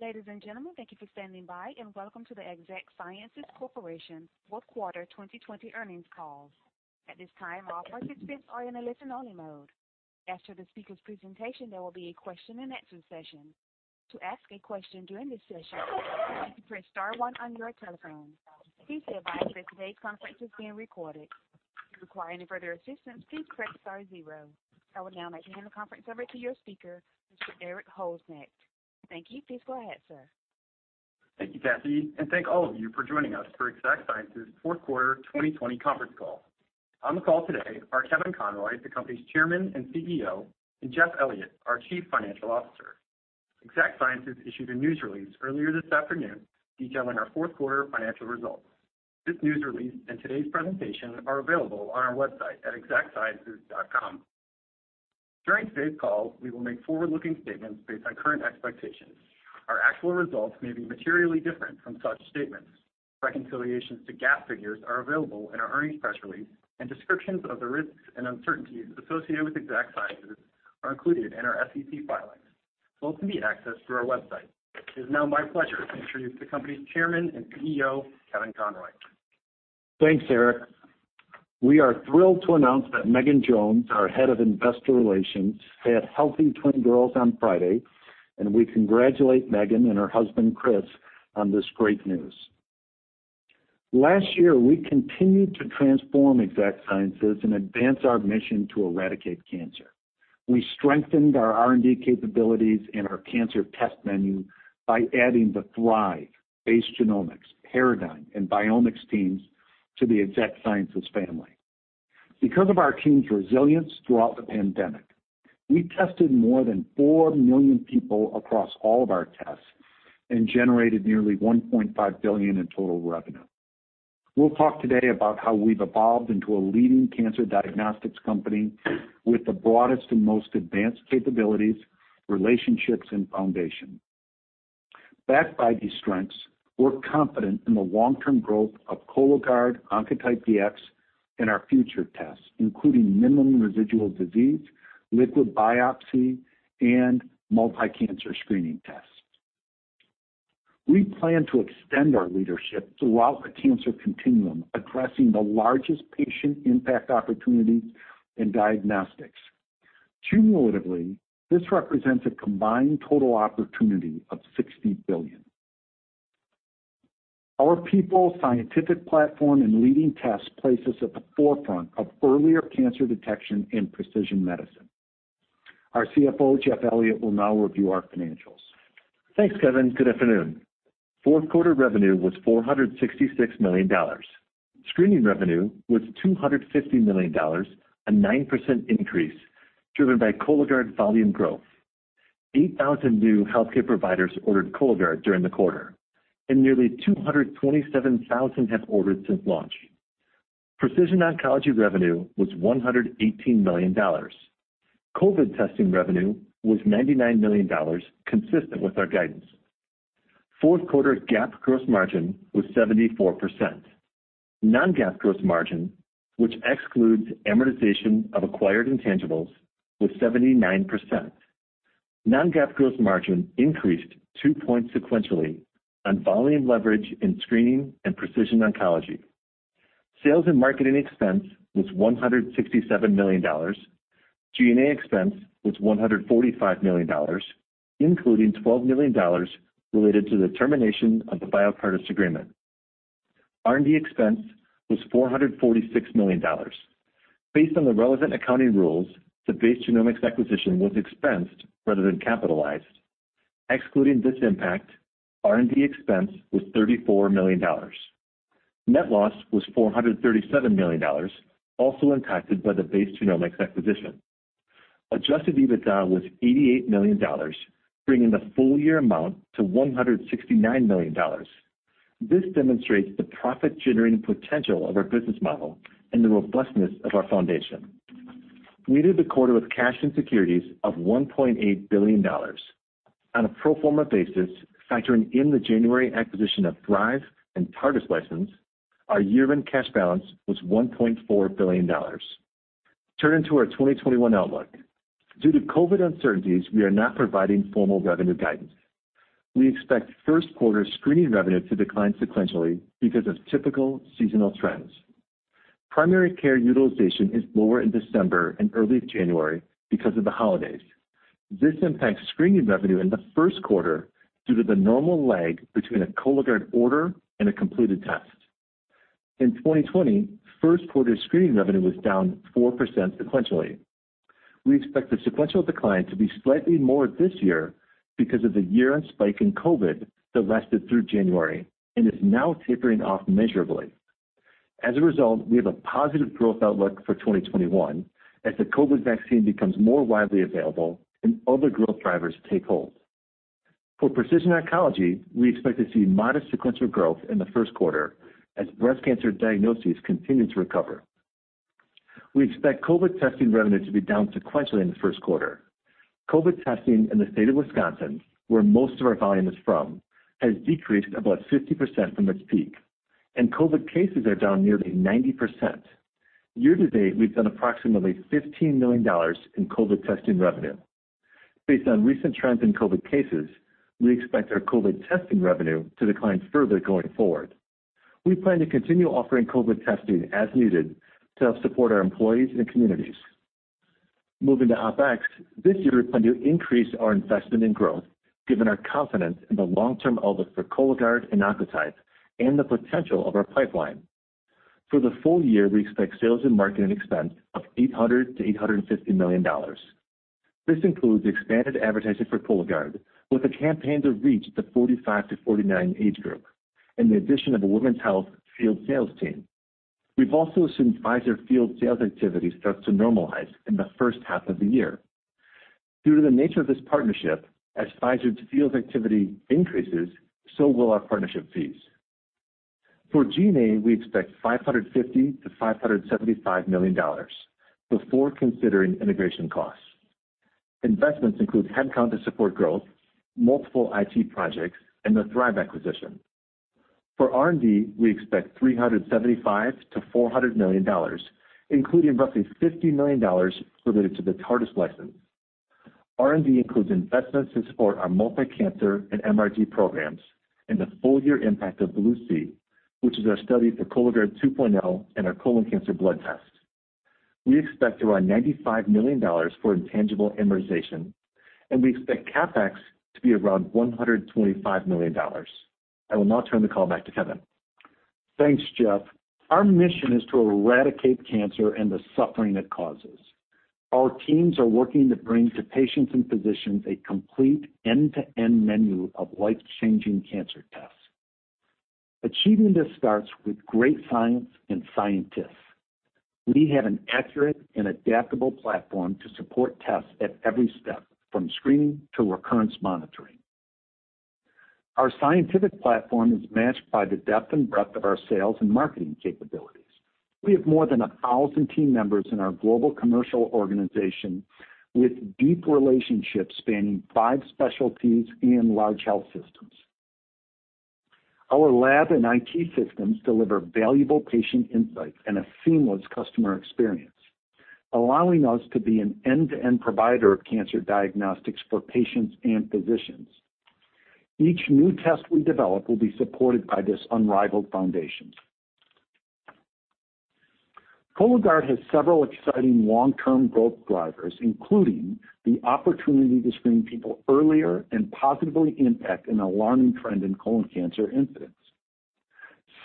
Ladies and gentlemen, thank you for standing by, and welcome to the Exact Sciences Corporation Fourth Quarter 2020 Earnings Call. At this time, all participants are in a listen-only mode. After the speaker's presentation, there will be a question-and-answer session. To ask a question during this session, press star one on your telephone. Please be advised that today's conference is being recorded. If you require any further assistance, please press star zero. I would now like to hand the conference over to your speaker, Mr. Erik Holznecht. Thank you. Please go ahead, Sir. Thank you, Kathy, and thank all of you for joining us for Exact Sciences' fourth quarter 2020 conference call. On the call today are Kevin Conroy, the company's Chairman and CEO, and Jeff Elliott, our Chief Financial Officer. Exact Sciences issued a news release earlier this afternoon detailing our fourth quarter financial results. This news release and today's presentation are available on our website at exactsciences.com. During today's call, we will make forward-looking statements based on current expectations. Our actual results may be materially different from such statements. Reconciliations to GAAP figures are available in our earnings press release. Descriptions of the risks and uncertainties associated with Exact Sciences are included in our SEC filings. Both can be accessed through our website. It is now my pleasure to introduce the company's Chairman and CEO, Kevin Conroy. Thanks, Erik. We are thrilled to announce that Megan Jones, our Head of Investor Relations, had healthy twin girls on Friday, and we congratulate Megan and her husband, Chris, on this great news. Last year, we continued to transform Exact Sciences and advance our mission to eradicate cancer. We strengthened our R&D capabilities and our cancer test menu by adding the Thrive, Base Genomics, Paradigm, and Viomics teams to the Exact Sciences family. Because of our team's resilience throughout the pandemic, we tested more than four million people across all of our tests and generated nearly $1.5 billion in total revenue. We'll talk today about how we've evolved into a leading cancer diagnostics company with the broadest and most advanced capabilities, relationships, and foundation. Backed by these strengths, we're confident in the long-term growth of Cologuard, Oncotype DX, and our future tests, including Minimal Residual Disease, liquid biopsy, and multi-cancer screening tests. We plan to extend our leadership throughout the cancer continuum, addressing the largest patient impact opportunities in diagnostics. Cumulatively, this represents a combined total opportunity of $60 billion. Our people, scientific platform, and leading tests place us at the forefront of earlier cancer detection and precision medicine. Our CFO, Jeff Elliott, will now review our financials. Thanks, Kevin. Good afternoon. Fourth quarter revenue was $466 million. Screening revenue was $250 million, a 9% increase driven by Cologuard volume growth. 8,000 new healthcare providers ordered Cologuard during the quarter, and nearly 227,000 have ordered since launch. Precision Oncology revenue was $118 million. COVID testing revenue was $99 million, consistent with our guidance. Fourth quarter GAAP gross margin was 74%. Non-GAAP gross margin, which excludes amortization of acquired intangibles, was 79%. Non-GAAP gross margin increased two points sequentially on volume leverage in screening and Precision Oncology. Sales and marketing expense was $167 million. G&A expense was $145 million, including $12 million related to the termination of the Biocartis agreement. R&D expense was $446 million. Based on the relevant accounting rules, the Base Genomics acquisition was expensed rather than capitalized. Excluding this impact, R&D expense was $34 million. Net loss was $437 million, also impacted by the Base Genomics acquisition. Adjusted EBITDA was $88 million, bringing the full-year amount to $169 million. This demonstrates the profit-generating potential of our business model and the robustness of our foundation. We did the quarter with cash and securities of $1.8 billion. On a pro forma basis, factoring in the January acquisition of Thrive and TARDIS license, our year-end cash balance was $1.4 billion. Turning to our 2021 outlook. Due to COVID uncertainties, we are not providing formal revenue guidance. We expect first quarter screening revenue to decline sequentially because of typical seasonal trends. Primary care utilization is lower in December and early January because of the holidays. This impacts screening revenue in the first quarter due to the normal lag between a Cologuard order and a completed test. In 2020, first quarter screening revenue was down 4% sequentially. We expect the sequential decline to be slightly more this year because of the year-end spike in COVID that lasted through January and is now tapering off measurably. As a result, we have a positive growth outlook for 2021 as the COVID vaccine becomes more widely available and other growth drivers take hold. For precision oncology, we expect to see modest sequential growth in the first quarter as breast cancer diagnoses continue to recover. We expect COVID testing revenue to be down sequentially in the first quarter. COVID testing in the state of Wisconsin, where most of our volume is from, has decreased about 50% from its peak, and COVID cases are down nearly 90%. Year-to-date, we've done approximately $15 million in COVID testing revenue. Based on recent trends in COVID cases, we expect our COVID testing revenue to decline further going forward. We plan to continue offering COVID testing as needed to help support our employees and communities. Moving to OpEx, this year we plan to increase our investment in growth given our confidence in the long-term outlook for Cologuard and Oncotype and the potential of our pipeline. For the full year, we expect sales and marketing expense of $800 million-$850 million. This includes expanded advertising for Cologuard, with a campaign to reach the 45-49 age group, and the addition of a women's health field sales team. We've also seen Pfizer field sales activity start to normalize in the first half of the year. Due to the nature of this partnership, as Pfizer's field activity increases, so will our partnership fees. For G&A, we expect $550 million-$575 million before considering integration costs. Investments include headcount to support growth, multiple IT projects, and the Thrive acquisition. For R&D, we expect $375 million-$400 million, including roughly $50 million related to the TARDIS license. R&D includes investments to support our multi-cancer and MRD programs and the full-year impact of BLUE-C, which is our study for Cologuard 2.0 and our colon cancer blood test. We expect around $95 million for intangible amortization, and we expect CapEx to be around $125 million. I will now turn the call back to Kevin. Thanks, Jeff. Our mission is to eradicate cancer and the suffering it causes. Our teams are working to bring to patients and physicians a complete end-to-end menu of life-changing cancer tests. Achieving this starts with great science and scientists. We have an accurate and adaptable platform to support tests at every step, from screening to recurrence monitoring. Our scientific platform is matched by the depth and breadth of our sales and marketing capabilities. We have more than 1,000 team members in our global commercial organization, with deep relationships spanning five specialties and large health systems. Our lab and IT systems deliver valuable patient insights and a seamless customer experience, allowing us to be an end-to-end provider of cancer diagnostics for patients and physicians. Each new test we develop will be supported by this unrivaled foundation. Cologuard has several exciting long-term growth drivers, including the opportunity to screen people earlier and positively impact an alarming trend in colon cancer incidence.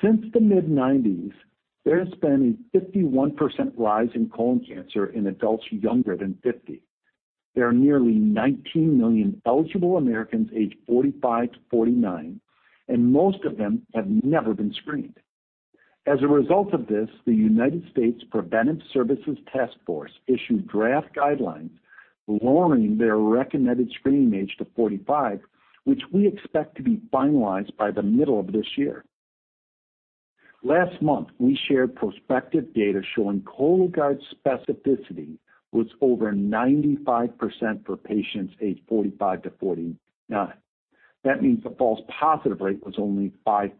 Since the mid-1990s, there has been a 51% rise in colon cancer in adults younger than 50. There are nearly 19 million eligible Americans aged 45-49. Most of them have never been screened. As a result of this, the United States Preventive Services Task Force issued draft guidelines lowering their recommended screening age to 45, which we expect to be finalized by the middle of this year. Last month, we shared prospective data showing Cologuard's specificity was over 95% for patients aged 45-49. That means the false positive rate was only 5%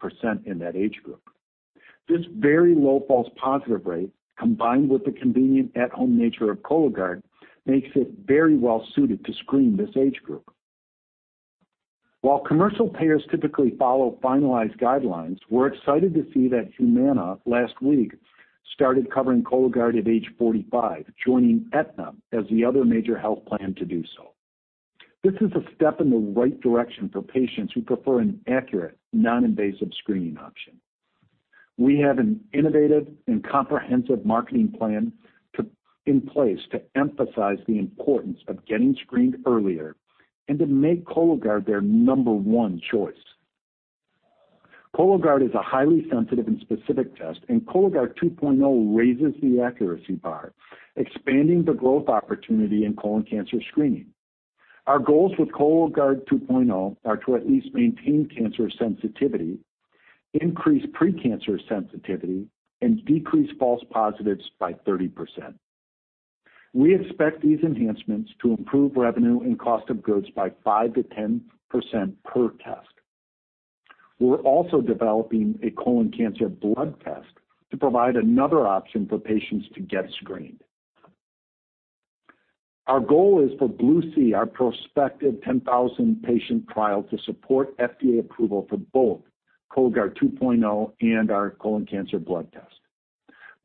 in that age group. This very low false positive rate, combined with the convenient at-home nature of Cologuard, makes it very well-suited to screen this age group. While commercial payers typically follow finalized guidelines, we're excited to see that Humana last week started covering Cologuard at age 45, joining Aetna as the other major health plan to do so. This is a step in the right direction for patients who prefer an accurate, non-invasive screening option. We have an innovative and comprehensive marketing plan in place to emphasize the importance of getting screened earlier and to make Cologuard their number one choice. Cologuard is a highly sensitive and specific test, and Cologuard 2.0 raises the accuracy bar, expanding the growth opportunity in colon cancer screening. Our goals with Cologuard 2.0 are to at least maintain cancer sensitivity, increase pre-cancer sensitivity, and decrease false positives by 30%. We expect these enhancements to improve revenue and cost of goods by 5%-10% per test. We're also developing a colon cancer blood test to provide another option for patients to get screened. Our goal is for BLUE-C, our prospective 10,000-patient trial, to support FDA approval for both Cologuard 2.0 and our colon cancer blood test.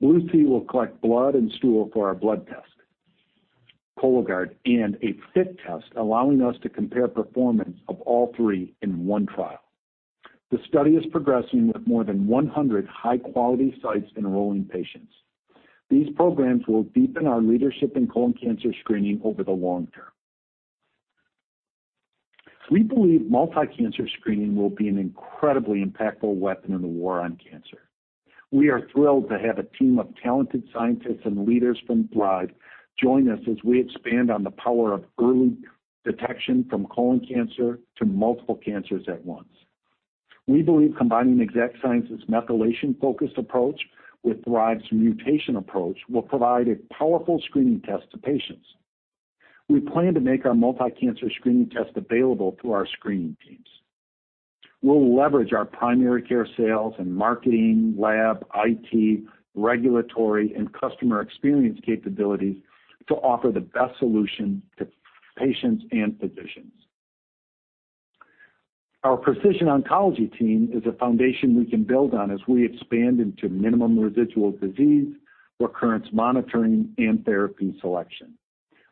BLUE-C will collect blood and stool for our blood test, Cologuard, and a FIT test, allowing us to compare performance of all three in one trial. The study is progressing with more than 100 high-quality sites enrolling patients. These programs will deepen our leadership in colon cancer screening over the long term. We believe multi-cancer screening will be an incredibly impactful weapon in the war on cancer. We are thrilled to have a team of talented scientists and leaders from Thrive join us as we expand on the power of early detection from colon cancer to multiple cancers at once. We believe combining Exact Sciences' methylation-focused approach with Thrive's mutation approach will provide a powerful screening test to patients. We plan to make our multi-cancer screening test available through our screening team. We'll leverage our primary care sales and marketing, lab, IT, regulatory, and customer experience capabilities to offer the best solution to patients and physicians. Our precision oncology team is a foundation we can build on as we expand into minimal residual disease, recurrence monitoring, and therapy selection.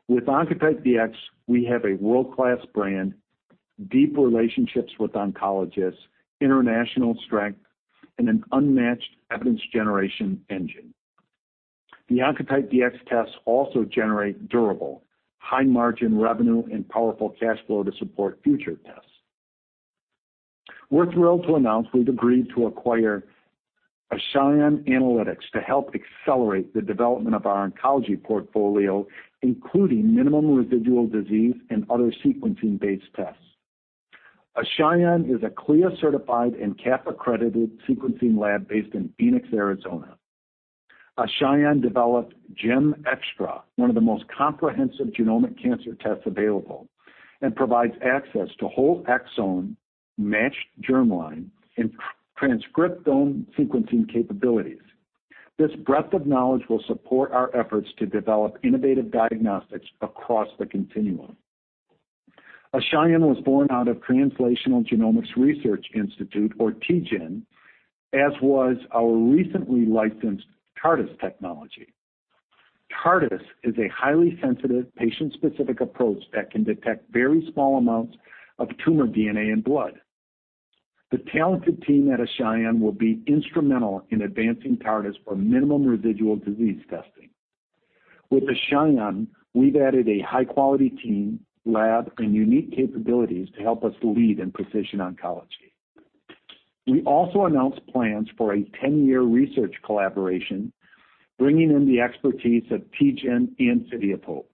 With Oncotype DX, we have a world-class brand, deep relationships with oncologists, international strength, and an unmatched evidence generation engine. The Oncotype DX tests also generate durable high-margin revenue and powerful cash flow to support future tests. We're thrilled to announce we've agreed to acquire Ashion Analytics to help accelerate the development of our oncology portfolio, including minimal residual disease and other sequencing-based tests. Ashion is a CLIA certified and CAP accredited sequencing lab based in Phoenix, Arizona. Ashion developed GEM ExTra, one of the most comprehensive genomic cancer tests available, and provides access to whole exome, matched germline, and transcriptome sequencing capabilities. This breadth of knowledge will support our efforts to develop innovative diagnostics across the continuum. Ashion was born out of Translational Genomics Research Institute, or TGen, as was our recently licensed TARDIS technology. TARDIS is a highly sensitive, patient-specific approach that can detect very small amounts of tumor DNA in blood. The talented team at Ashion will be instrumental in advancing TARDIS for Minimal Residual Disease testing. With Ashion, we've added a high-quality team, lab, and unique capabilities to help us lead in precision oncology. We also announced plans for a 10-year research collaboration, bringing in the expertise of TGen and City of Hope.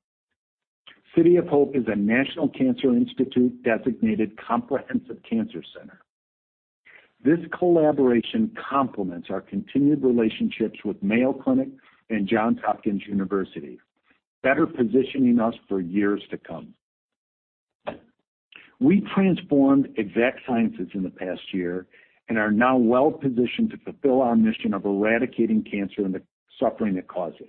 City of Hope is a National Cancer Institute designated comprehensive cancer center. This collaboration complements our continued relationships with Mayo Clinic and Johns Hopkins University, better positioning us for years to come. We transformed Exact Sciences in the past year and are now well positioned to fulfill our mission of eradicating cancer and the suffering it causes.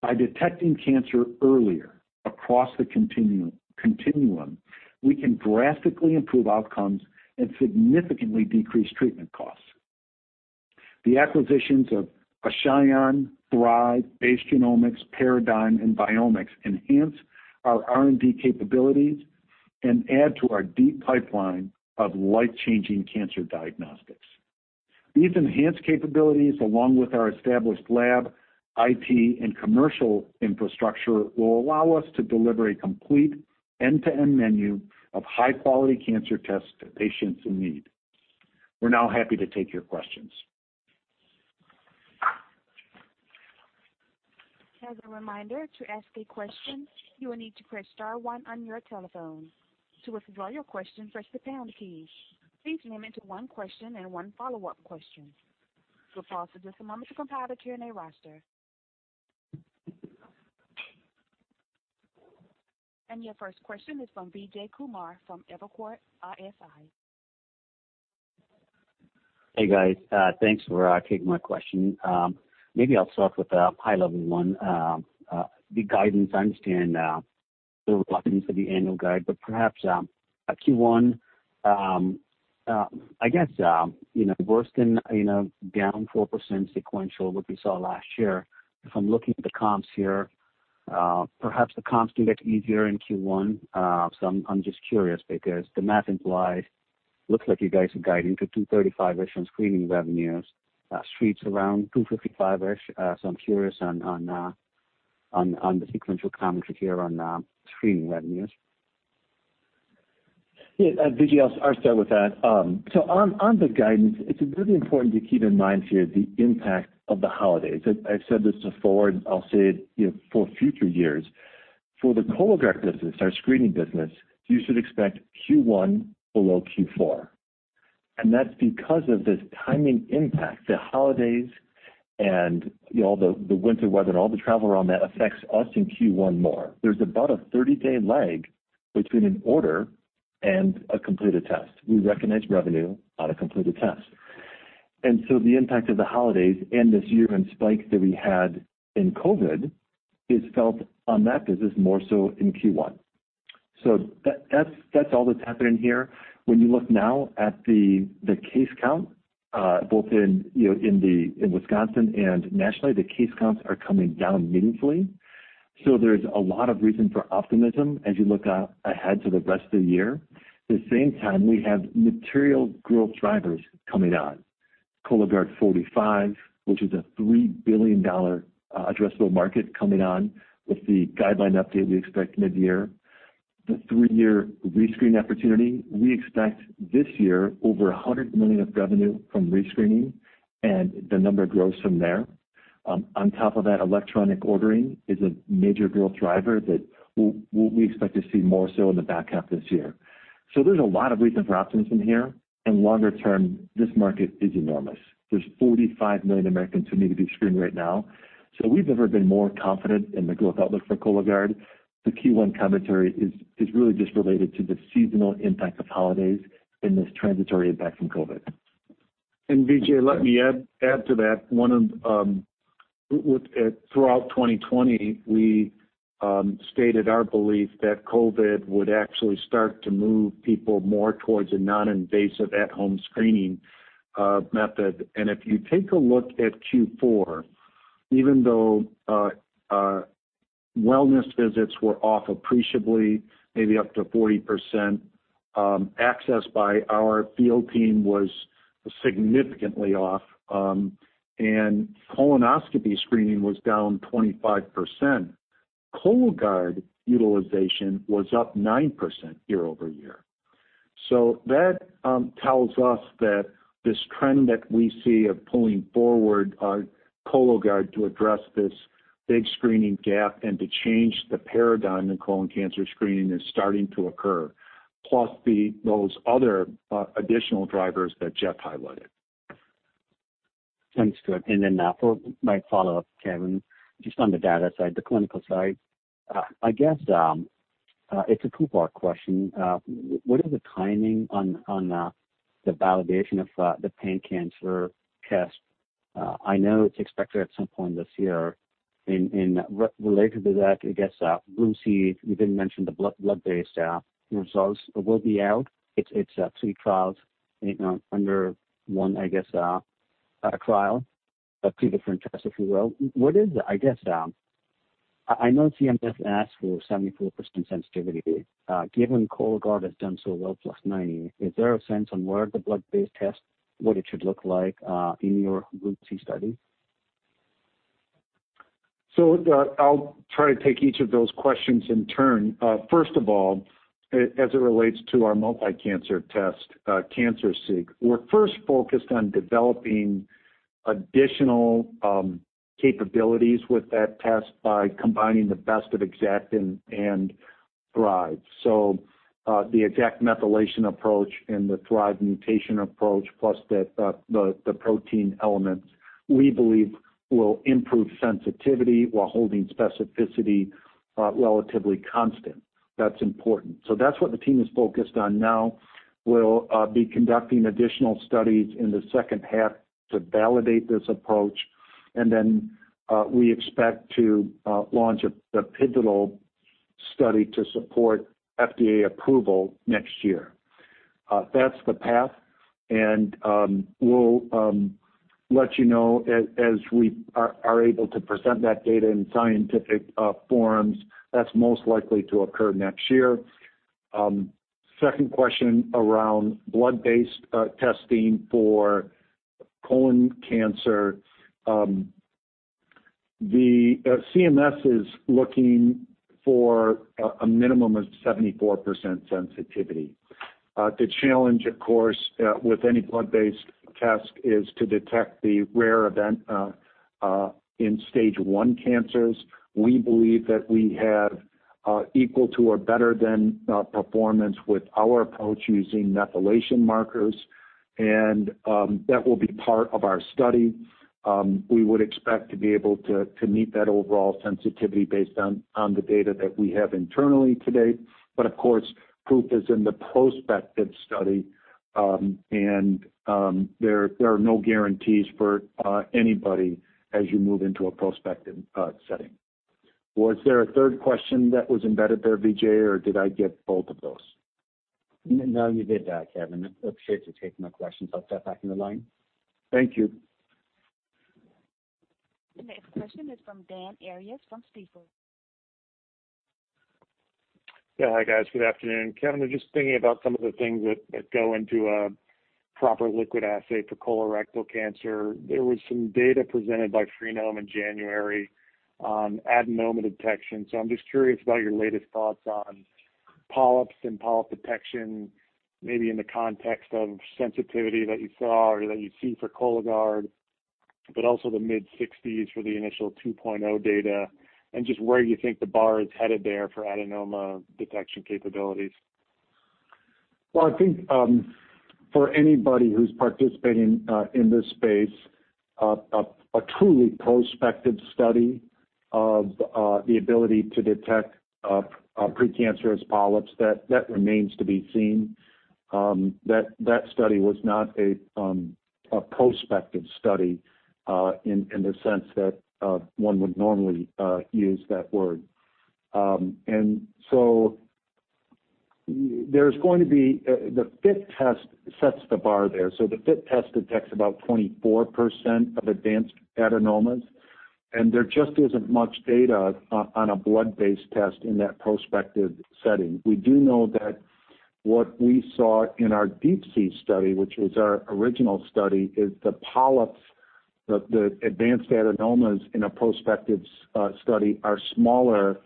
By detecting cancer earlier across the continuum, we can drastically improve outcomes and significantly decrease treatment costs. The acquisitions of Ashion, Thrive, Base Genomics, Paradigm, and Viomics enhance our R&D capabilities and add to our deep pipeline of life-changing cancer diagnostics. These enhanced capabilities, along with our established lab, IT, and commercial infrastructure, will allow us to deliver a complete end-to-end menu of high-quality cancer tests to patients in need. We're now happy to take your questions. As a reminder, to ask a question, you will need to press star one on your telephone. To withdraw your question, press the pound key. Please limit it to one question and one follow-up question. We'll pause for just a moment to compile the Q&A roster. Your first question is from Vijay Kumar from Evercore ISI. Hey, guys. Thanks for taking my question. Maybe I'll start with a high-level one. The guidance, I understand the reliance of the annual guide, but perhaps Q1, I guess, worsened down 4% sequential what we saw last year. If I'm looking at the comps here, perhaps the comps do get easier in Q1. I'm just curious because the math implies looks like you guys are guiding to $235-ish on screening revenues. Street's around $255-ish. I'm curious on the sequential commentary here on screening revenues. Yeah, Vijay, I'll start with that. On the guidance, it's really important to keep in mind here the impact of the holidays. I've said this before, and I'll say it for future years. For the Cologuard business, our screening business, you should expect Q1 below Q4, and that's because of this timing impact. The holidays and the winter weather and all the travel around that affects us in Q1 more. There's about a 30-day lag between an order and a completed test. We recognize revenue on a completed test. The impact of the holidays and this year-end spike that we had in COVID is felt on that business more so in Q1. That's all that's happening here. When you look now at the case count both in Wisconsin and nationally, the case counts are coming down meaningfully. There's a lot of reason for optimism as you look ahead to the rest of the year. At the same time, we have material growth drivers coming on. Cologuard 45, which is a $3 billion addressable market coming on with the guideline update we expect mid-year. The three-year rescreen opportunity. We expect this year over $100 million of revenue from rescreening, and the number grows from there. On top of that, electronic ordering is a major growth driver that we expect to see more so in the back half of this year. There's a lot of reason for optimism here, and longer term, this market is enormous. There's 45 million Americans who need to be screened right now. We've never been more confident in the growth outlook for Cologuard. The Q1 commentary is really just related to the seasonal impact of holidays and this transitory impact from COVID. Vijay, let me add to that. Throughout 2020, we stated our belief that COVID would actually start to move people more towards a non-invasive at-home screening method. If you take a look at Q4, even though wellness visits were off appreciably, maybe up to 40%, access by our field team was significantly off, and colonoscopy screening was down 25%, Cologuard utilization was up 9% year-over-year. That tells us that this trend that we see of pulling forward Cologuard to address this big screening gap and to change the paradigm in colon cancer screening is starting to occur. Plus those other additional drivers that Jeff highlighted. Thanks, good. For my follow-up, Kevin, just on the data side, the clinical side, I guess it's a two-part question. What is the timing on the validation of the pan-cancer test? I know it's expected at some point this year. Related to that, I guess BLUE-C, you didn't mention the blood-based results will be out. It's three trials under one trial, but two different tests, if you will. I know CMS asks for 74% sensitivity. Given Cologuard has done so well +90, is there a sense on where the blood-based test, what it should look like in your BLUE-C study? I'll try to take each of those questions in turn. First of all, as it relates to our multi-cancer test, CancerSEEK, we're first focused on developing additional capabilities with that test by combining the best of Exact and Thrive. The Exact methylation approach and the Thrive mutation approach, plus the protein elements, we believe will improve sensitivity while holding specificity relatively constant. That's important. That's what the team is focused on now. We'll be conducting additional studies in the second half to validate this approach, and then we expect to launch a pivotal study to support FDA approval next year. That's the path, and we'll let you know as we are able to present that data in scientific forums. That's most likely to occur next year. Second question around blood-based testing for colon cancer. The CMS is looking for a minimum of 74% sensitivity. The challenge, of course, with any blood-based test is to detect the rare event in stage one cancers. We believe that we have equal to or better than performance with our approach using methylation markers, and that will be part of our study. We would expect to be able to meet that overall sensitivity based on the data that we have internally to date. Of course, proof is in the prospective study, and there are no guarantees for anybody as you move into a prospective setting. Was there a third question that was embedded there, Vijay, or did I get both of those? No, you did that, Kevin. I appreciate you taking my questions. I'll step back in the line. Thank you. The next question is from Dan Arias from Stifel. Hi, guys. Good afternoon. Kevin, I'm just thinking about some of the things that go into a proper liquid assay for colorectal cancer. There was some data presented by Freenome in January on adenoma detection. I'm just curious about your latest thoughts on polyps and polyp detection, maybe in the context of sensitivity that you saw or that you see for Cologuard, but also the mid-60s for the initial 2.0 data, and just where you think the bar is headed there for adenoma detection capabilities. Well, I think for anybody who's participating in this space, a truly prospective study of the ability to detect precancerous polyps, that remains to be seen. That study was not a prospective study in the sense that one would normally use that word. There's going to be the FIT test sets the bar there. The FIT test detects about 24% of advanced adenomas, and there just isn't much data on a blood-based test in that prospective setting. We do know that what we saw in our DeeP-C study, which was our original study, is the polyps, the advanced adenomas in a prospective study are smaller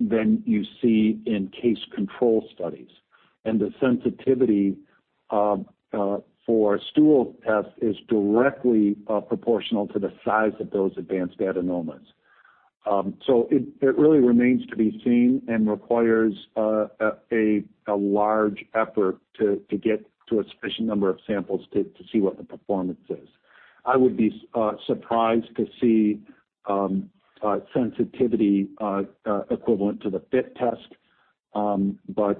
than you see in case control studies. The sensitivity for stool tests is directly proportional to the size of those advanced adenomas. So it really remains to be seen and requires a large effort to get to a sufficient number of samples to see what the performance is. I would be surprised to see sensitivity equivalent to the FIT test.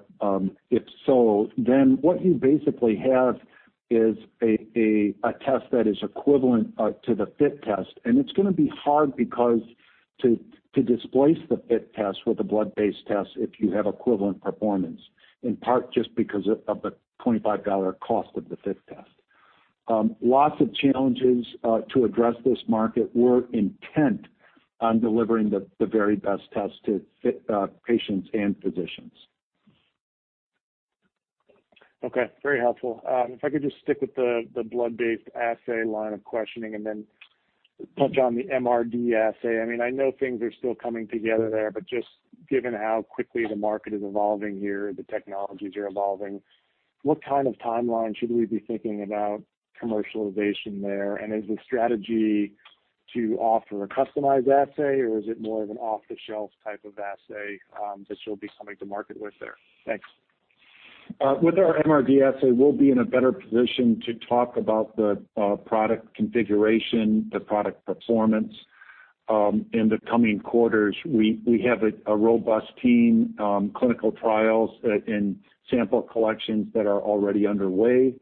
If so, what you basically have is a test that is equivalent to the FIT test. It's going to be hard to displace the FIT test with a blood-based test if you have equivalent performance, in part just because of the $25 cost of the FIT test. Lots of challenges to address this market. We're intent on delivering the very best test to patients and physicians. Okay. Very helpful. If I could just stick with the blood-based assay line of questioning and then touch on the MRD assay. I know things are still coming together there, but just given how quickly the market is evolving here, the technologies are evolving, what kind of timeline should we be thinking about commercialization there? Is the strategy to offer a customized assay, or is it more of an off-the-shelf type of assay that you'll be coming to market with there? Thanks. With our MRD assay, we'll be in a better position to talk about the product configuration, the product performance, in the coming quarters. We have a robust team, clinical trials, and sample collections that are already underway.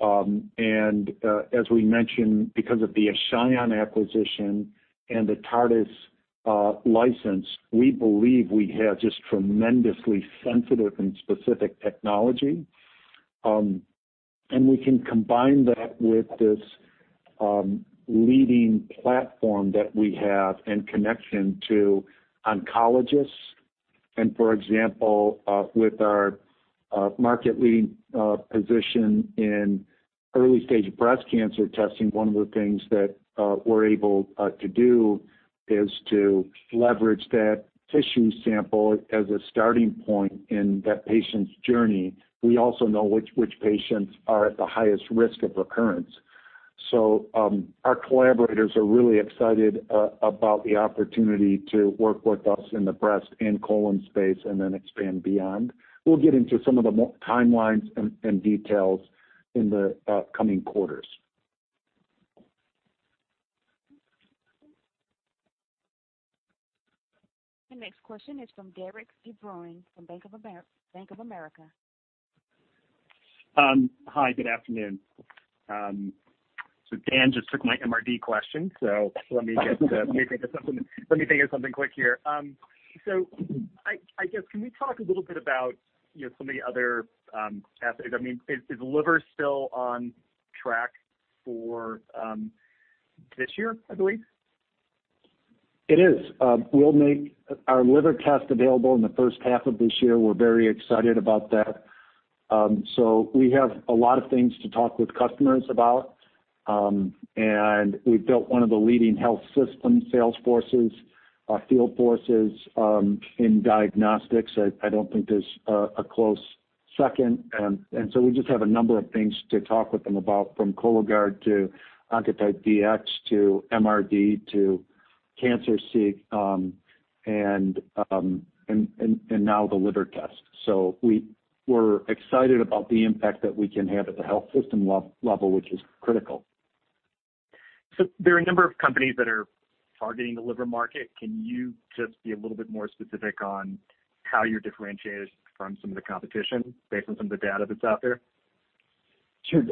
As we mentioned, because of the Ashion acquisition and the TARDIS license, we believe we have just tremendously sensitive and specific technology. We can combine that with this leading platform that we have in connection to oncologists. For example, with our market-leading position in early-stage breast cancer testing, one of the things that we're able to do is to leverage that tissue sample as a starting point in that patient's journey. We also know which patients are at the highest risk of recurrence. Our collaborators are really excited about the opportunity to work with us in the breast and colon space and then expand beyond. We'll get into some of the timelines and details in the upcoming quarters. The next question is from Derik De Bruin from Bank of America. Hi, good afternoon. Dan just took my MRD question, so let me think of something quick here. I guess, can we talk a little bit about some of the other assays? Is liver still on track for this year, I believe? It is. We'll make our liver test available in the first half of this year. We're very excited about that. We have a lot of things to talk with customers about. We've built one of the leading health system sales forces, field forces in diagnostics. I don't think there's a close second. We just have a number of things to talk with them about from Cologuard to Oncotype DX to MRD to CancerSEEK, and now the liver test. We're excited about the impact that we can have at the health system level, which is critical. There are a number of companies that are targeting the liver market. Can you just be a little bit more specific on how you're differentiated from some of the competition based on some of the data that's out there? Sure.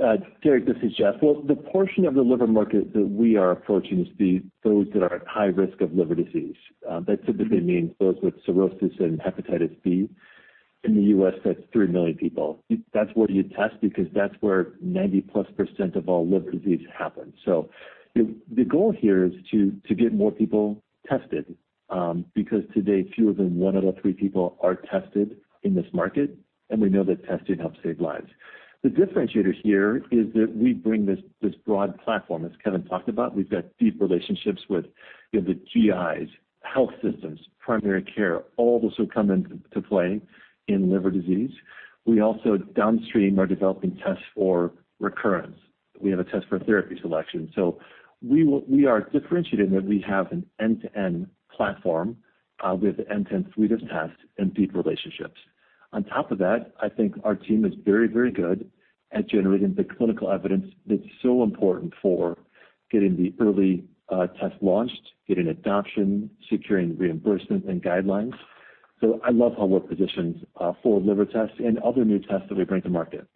Derik, this is Jeff. Well, the portion of the liver market that we are approaching is those that are at high risk of liver disease. That typically means those with cirrhosis and hepatitis B. In the U.S., that's three million people. That's where you test because that's where 90+% of all liver disease happens. The goal here is to get more people tested, because today, fewer than one out of three people are tested in this market, and we know that testing helps save lives. The differentiator here is that we bring this broad platform, as Kevin talked about. We've got deep relationships with the GIs, health systems, primary care, all those who come into play in liver disease. We also, downstream, are developing tests for recurrence. We have a test for therapy selection. We are differentiated in that we have an end-to-end platform with end-to-end suites of tests and deep relationships. On top of that, I think our team is very good at generating the clinical evidence that's so important for getting the early test launched, getting adoption, securing reimbursement and guidelines. I love how we're positioned for liver tests and other new tests that we bring to market.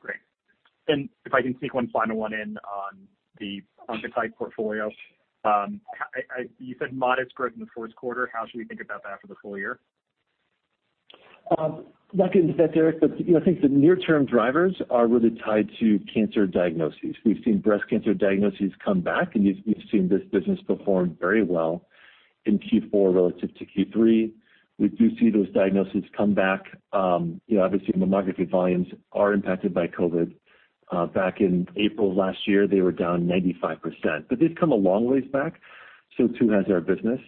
Great. If I can sneak one final one in on the Oncotype portfolio. You said modest growth in the fourth quarter. How should we think about that for the full year? Looking to that, Derik, I think the near-term drivers are really tied to cancer diagnoses. We've seen breast cancer diagnoses come back, and we've seen this business perform very well in Q4 relative to Q3. We do see those diagnoses come back. Obviously, mammography volumes are impacted by COVID. Back in April of last year, they were down 95%, they've come a long ways back. Too has our business.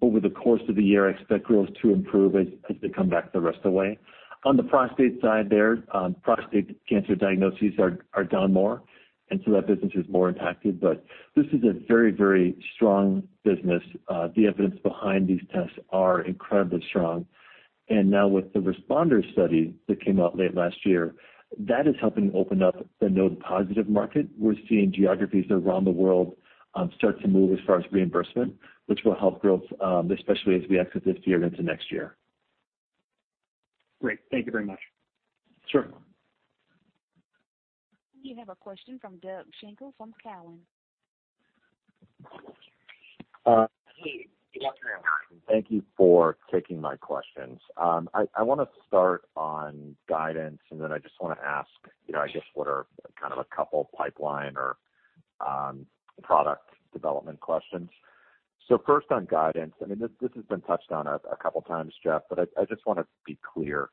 Over the course of the year, I expect growth to improve as they come back the rest of the way. On the prostate side there, prostate cancer diagnoses are down more, that business is more impacted. This is a very strong business. The evidence behind these tests are incredibly strong. Now with the responder study that came out late last year, that is helping open up the node-positive market. We are seeing geographies around the world start to move as far as reimbursement, which will help growth, especially as we exit this year into next year. Great. Thank you very much. Sure. You have a question from Doug Schenkel from Cowen. Hey, good afternoon. Thank you for taking my questions. I want to start on guidance, and then I just want to ask just what are kind of a couple pipeline or product development questions. First on guidance, I mean, this has been touched on a couple of times, Jeff, but I just want to be clear.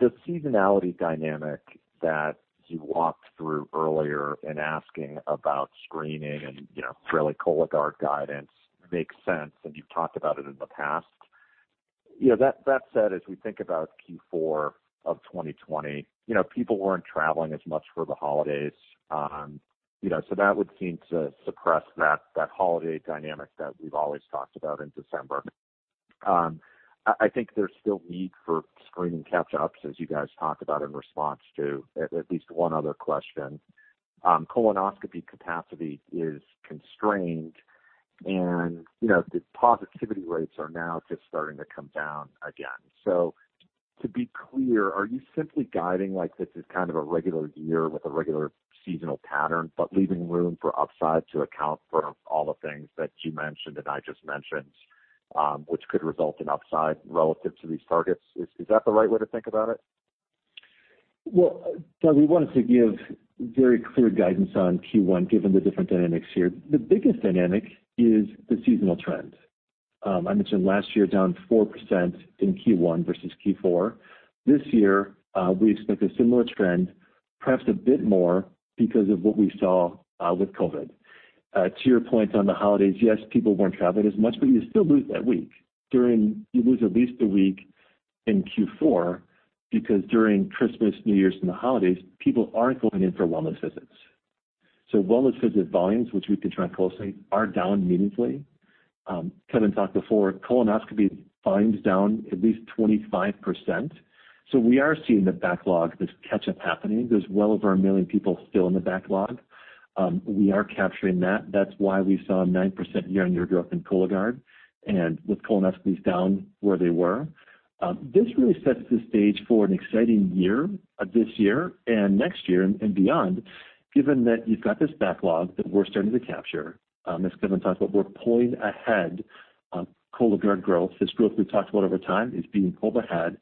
The seasonality dynamic that you walked through earlier in asking about screening and really Cologuard guidance makes sense, and you've talked about it in the past. That said, as we think about Q4 of 2020, people weren't traveling as much for the holidays. That would seem to suppress that holiday dynamic that we've always talked about in December. I think there's still need for screening catch-ups as you guys talked about in response to at least one other question. Colonoscopy capacity is constrained and the positivity rates are now just starting to come down again. To be clear, are you simply guiding like this is kind of a regular year with a regular seasonal pattern, but leaving room for upside to account for all the things that you mentioned and I just mentioned, which could result in upside relative to these targets? Is that the right way to think about it? Well, Doug, we wanted to give very clear guidance on Q1, given the different dynamics here. The biggest dynamic is the seasonal trend. I mentioned last year, down 4% in Q1 versus Q4. This year, we expect a similar trend, perhaps a bit more because of what we saw with COVID. To your point on the holidays, yes, people weren't traveling as much. You still lose that week. You lose at least a week in Q4 because during Christmas, New Year's, and the holidays, people aren't going in for wellness visits. Wellness visit volumes, which we can track closely, are down meaningfully. Kevin talked before, colonoscopy volumes down at least 25%. We are seeing the backlog, this catch-up happening. There's well over one million people still in the backlog. We are capturing that. That's why we saw a 9% year-on-year growth in Cologuard and with colonoscopies down where they were. This really sets the stage for an exciting year, this year and next year and beyond, given that you've got this backlog that we're starting to capture. As Kevin talked about, we're pulling ahead Cologuard growth. This growth we've talked about over time is being pulled ahead.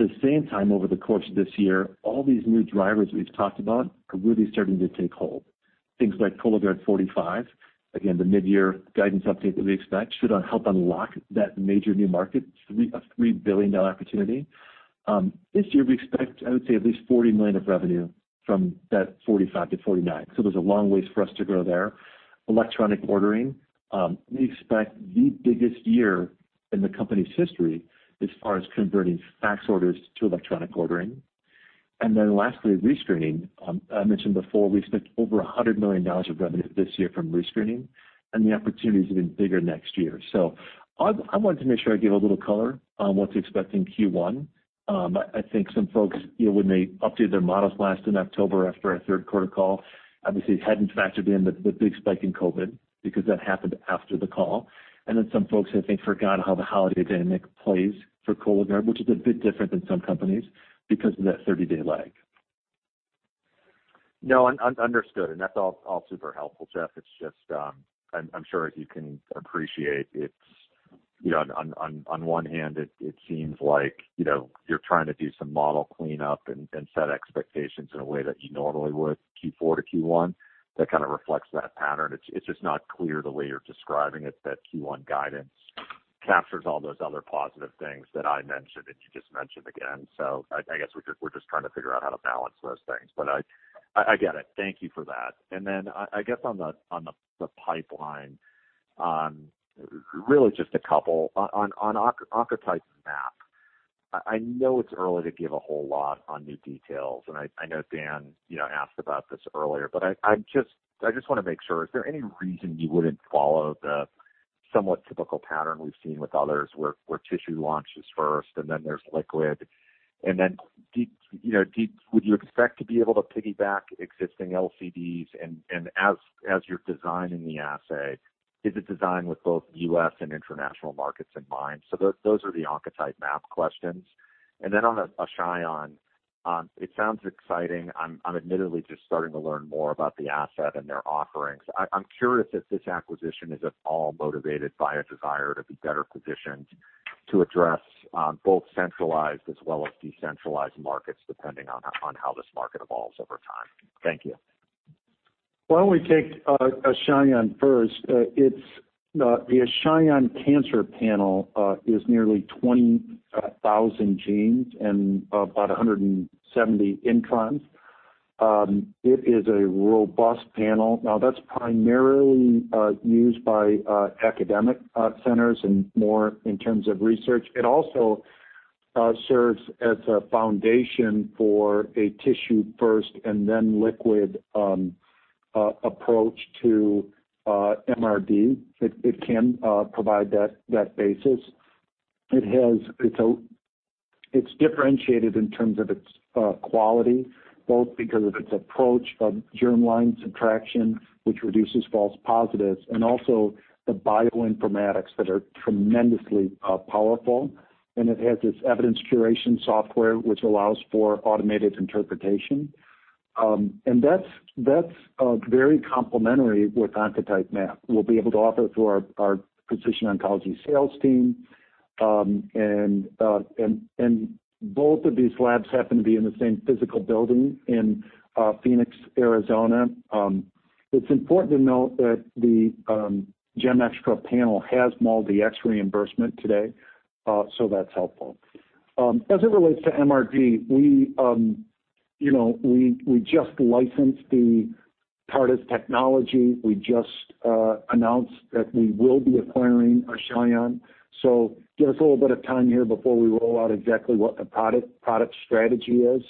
At the same time, over the course of this year, all these new drivers we've talked about are really starting to take hold. Things like Cologuard 45, again, the mid-year guidance update that we expect should help unlock that major new market, a $3 billion opportunity. This year, we expect, I would say, at least $40 million of revenue from that 45-49. There's a long way for us to grow there. Electronic ordering. We expect the biggest year in the company's history as far as converting fax orders to electronic ordering. Lastly, rescreening. I mentioned before, we expect over $100 million of revenue this year from rescreening, and the opportunity is even bigger next year. I wanted to make sure I gave a little color on what to expect in Q1. I think some folks, when they updated their models last in October after our third quarter call, obviously hadn't factored in the big spike in COVID because that happened after the call. Some folks, I think, forgot how the holiday dynamic plays for Cologuard, which is a bit different than some companies because of that 30-day lag. No, understood. That's all super helpful, Jeff. It's just I'm sure as you can appreciate, on one hand, it seems like you're trying to do some model cleanup and set expectations in a way that you normally would Q4 to Q1 that kind of reflects that pattern. It's just not clear the way you're describing it that Q1 guidance captures all those other positive things that I mentioned and you just mentioned again. I guess we're just trying to figure out how to balance those things. I get it. Thank you for that. I guess on the pipeline, really just a couple. On Oncotype MAP, I know it's early to give a whole lot on new details, and I know Dan asked about this earlier. I just want to make sure, is there any reason you wouldn't follow the somewhat typical pattern we've seen with others where tissue launches first and then there's liquid? Would you expect to be able to piggyback existing LCDs? As you're designing the assay, is it designed with both U.S. and international markets in mind? Those are the Oncotype MAP questions. On Ashion, it sounds exciting. I'm admittedly just starting to learn more about the asset and their offerings. I'm curious if this acquisition is at all motivated by a desire to be better positioned to address both centralized as well as decentralized markets, depending on how this market evolves over time. Thank you. Why don't we take Ashion first? The Ashion cancer panel is nearly 20,000 genes and about 170 introns. It is a robust panel. That's primarily used by academic centers and more in terms of research. It also serves as a foundation for a tissue first and then liquid Approach to MRD. It can provide that basis. It's differentiated in terms of its quality, both because of its approach of germline subtraction, which reduces false positives, and also the bioinformatics that are tremendously powerful, and it has this evidence curation software, which allows for automated interpretation. That's very complementary with Oncotype MAP. We'll be able to offer through our precision oncology sales team. Both of these labs happen to be in the same physical building in Phoenix, Arizona. It's important to note that the GEM ExTra panel has MolDX reimbursement today, so that's helpful. As it relates to MRD, we just licensed the TARDIS technology. We just announced that we will be acquiring Ashion. Give us a little bit of time here before we roll out exactly what the product strategy is.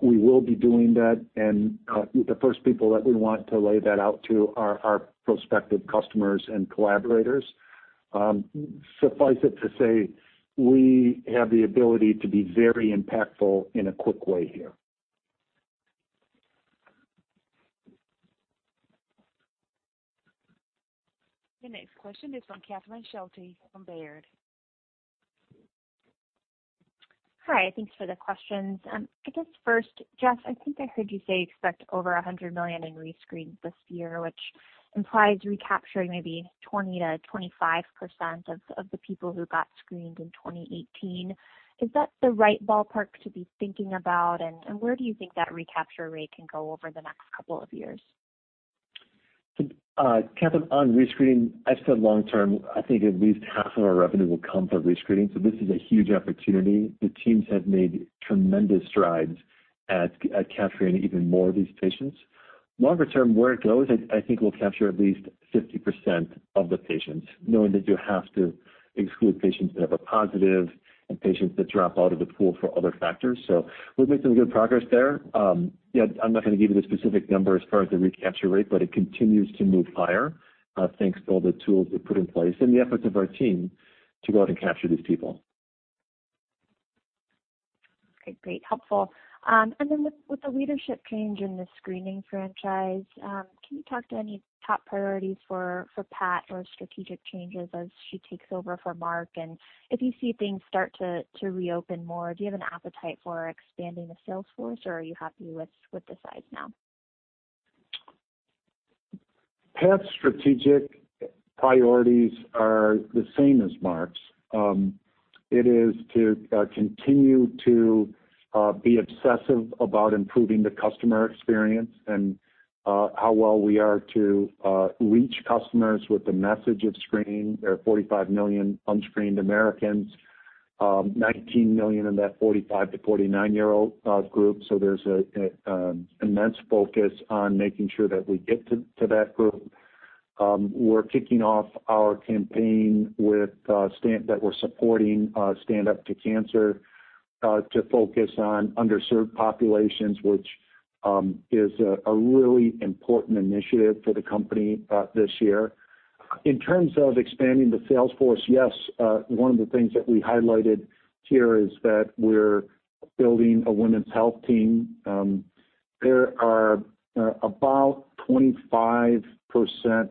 We will be doing that, and the first people that we want to lay that out to are our prospective customers and collaborators. Suffice it to say, we have the ability to be very impactful in a quick way here. The next question is from Catherine Schulte from Baird. Hi, thanks for the questions. I guess first, Jeff, I think I heard you say you expect over $100 million in rescreens this year, which implies recapturing maybe 20%-25% of the people who got screened in 2018. Is that the right ballpark to be thinking about? Where do you think that recapture rate can go over the next couple of years? Catherine, on rescreening, I've said long term, I think at least half of our revenue will come from rescreening. This is a huge opportunity. The teams have made tremendous strides at capturing even more of these patients. Longer term, where it goes, I think we'll capture at least 50% of the patients, knowing that you have to exclude patients that have a positive and patients that drop out of the pool for other factors. We've made some good progress there. I'm not going to give you the specific number as far as the recapture rate, but it continues to move higher. Thanks to all the tools we've put in place and the efforts of our team to go out and capture these people. Okay, great. Helpful. With the leadership change in the screening franchise, can you talk to any top priorities for Pat or strategic changes as she takes over for Mark? If you see things start to reopen more, do you have an appetite for expanding the sales force, or are you happy with the size now? Pat's strategic priorities are the same as Mark's. It is to continue to be obsessive about improving the customer experience and how well we are to reach customers with the message of screening. There are 45 million unscreened Americans, 19 million in that 45-49-year-old group, so there's an immense focus on making sure that we get to that group. We're kicking off our campaign that we're supporting Stand Up To Cancer to focus on underserved populations, which is a really important initiative for the company this year. In terms of expanding the sales force, yes, one of the things that we highlighted here is that we're building a women's health team. There are about 25%,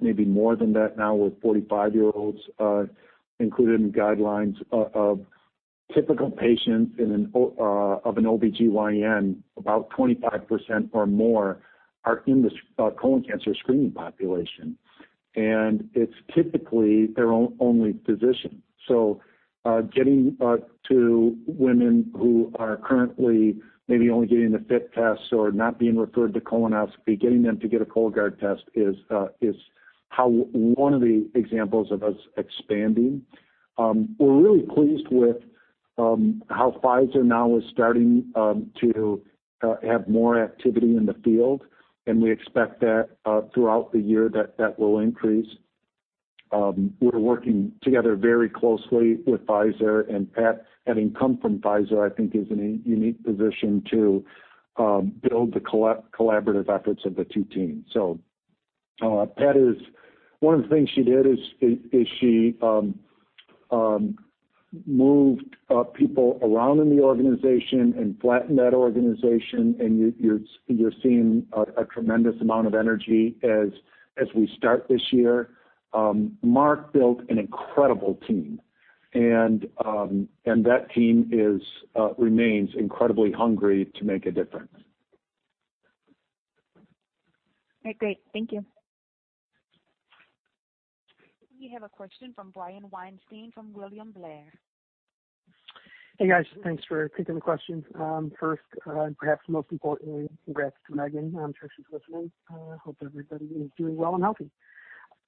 maybe more than that now, with 45-year-olds included in the guidelines of typical patients of an OBGYN. About 25% or more are in this colon cancer screening population. It's typically their only physician. Getting to women who are currently maybe only getting the FIT tests or not being referred to colonoscopy, getting them to get a Cologuard test is how one of the examples of us expanding. We're really pleased with how Pfizer now is starting to have more activity in the field. We expect that throughout the year that will increase. We're working together very closely with Pfizer. Pat, having come from Pfizer, I think, is in a unique position to build the collaborative efforts of the two teams. Pat, one of the things she did is she moved people around in the organization and flattened that organization. You're seeing a tremendous amount of energy as we start this year. Mark built an incredible team, and that team remains incredibly hungry to make a difference. All right, great. Thank you. We have a question from Brian Weinstein from William Blair. Hey, guys. Thanks for taking the questions. First, perhaps most importantly, congrats to Megan. I'm sure she's listening. Hope everybody is doing well and healthy.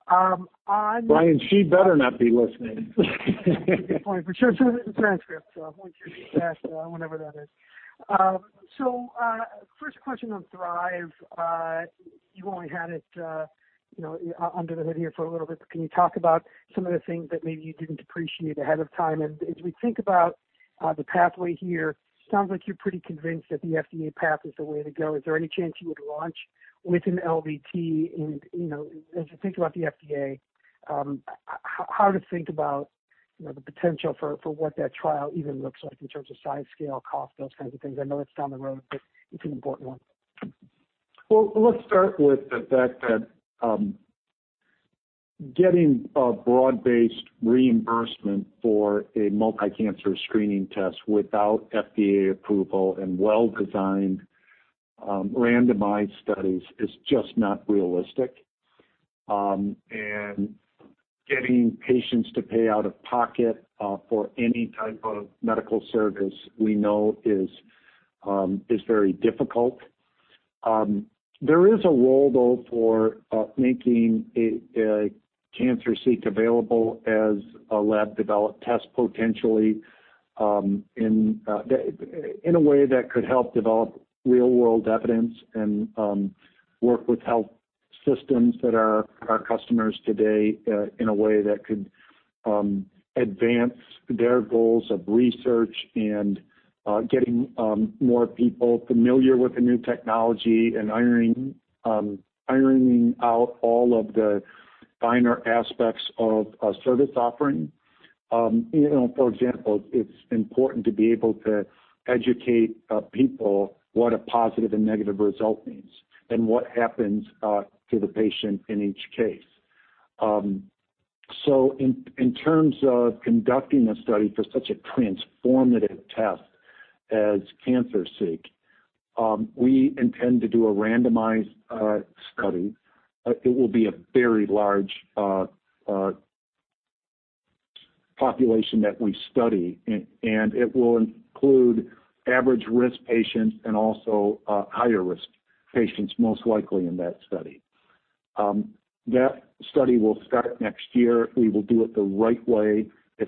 Brian, she better not be listening. Good point. For sure, send her the transcript. I want you to ask, whenever that is. First question on Thrive. You only had it under the hood here for a little bit, but can you talk about some of the things that maybe you didn't appreciate ahead of time? As we think about the pathway here sounds like you're pretty convinced that the FDA path is the way to go. Is there any chance you would launch with an LDT? As you think about the FDA, how to think about the potential for what that trial even looks like in terms of size, scale, cost, those kinds of things? I know it's down the road, but it's an important one. Let's start with the fact that getting a broad-based reimbursement for a multi-cancer screening test without FDA approval and well-designed randomized studies is just not realistic. Getting patients to pay out of pocket for any type of medical service, we know is very difficult. There is a role, though, for making a CancerSEEK available as a lab-developed test, potentially, in a way that could help develop real-world evidence and work with health systems that are our customers today, in a way that could advance their goals of research and getting more people familiar with the new technology and ironing out all of the finer aspects of a service offering. For example, it's important to be able to educate people what a positive and negative result means, and what happens to the patient in each case. In terms of conducting a study for such a transformative test as CancerSEEK, we intend to do a randomized study. It will be a very large population that we study, and it will include average-risk patients and also higher-risk patients, most likely in that study. That study will start next year. We will do it the right way. If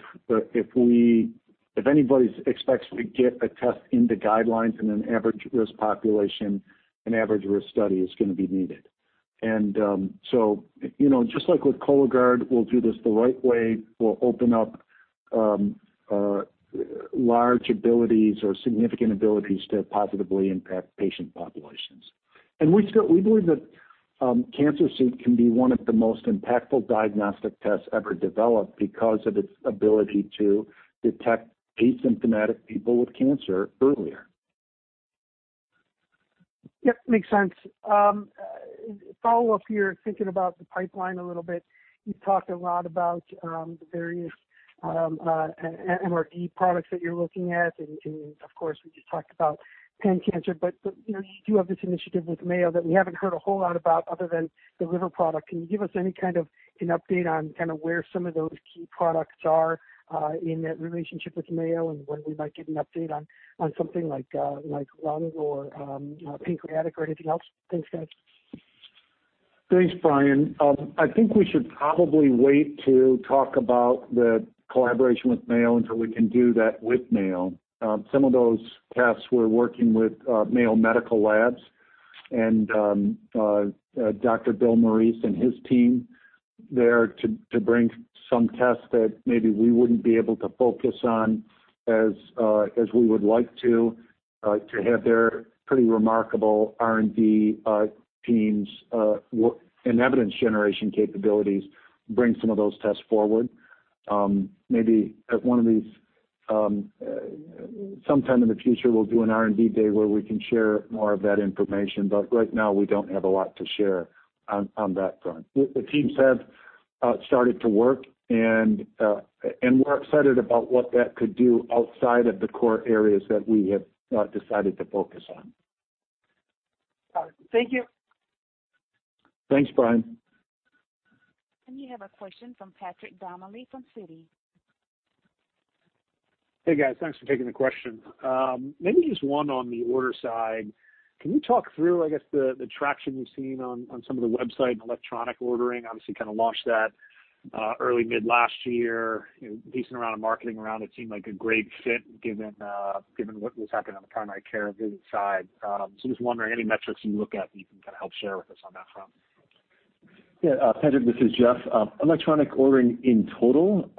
anybody expects to get a test into guidelines in an average-risk population, an average-risk study is going to be needed. Just like with Cologuard, we'll do this the right way. We'll open up large abilities or significant abilities to positively impact patient populations. We believe that CancerSEEK can be one of the most impactful diagnostic tests ever developed because of its ability to detect asymptomatic people with cancer earlier. Yep, makes sense. Follow-up here, thinking about the pipeline a little bit. You've talked a lot about the various MRD products that you're looking at, and of course, we just talked about pan-cancer. You do have this initiative with Mayo that we haven't heard a whole lot about, other than the liver product. Can you give us any kind of an update on where some of those key products are in that relationship with Mayo and when we might get an update on something like lung or pancreatic or anything else? Thanks, guys. Thanks, Brian. I think we should probably wait to talk about the collaboration with Mayo until we can do that with Mayo. Some of those tests, we're working with Mayo Clinic Laboratories and Dr. William Morice and his team there to bring some tests that maybe we wouldn't be able to focus on as we would like to have their pretty remarkable R&D teams and evidence generation capabilities bring some of those tests forward. Maybe at one of these, sometime in the future, we'll do an R&D day where we can share more of that information. Right now, we don't have a lot to share on that front. The teams have started to work, and we're excited about what that could do outside of the core areas that we have decided to focus on. All right. Thank you. Thanks, Brian. We have a question from Patrick Donnelly from Citi. Hey, guys, thanks for taking the question. Maybe just one on the order side. Can you talk through, I guess, the traction you've seen on some of the website and electronic ordering? Obviously, kind of launched that early/mid last year. Decent amount of marketing around it, seemed like a great fit given what was happening on the primary care visit side. Just wondering, any metrics you look at that you can kind of help share with us on that front? Patrick, this is Jeff. Electronic ordering in total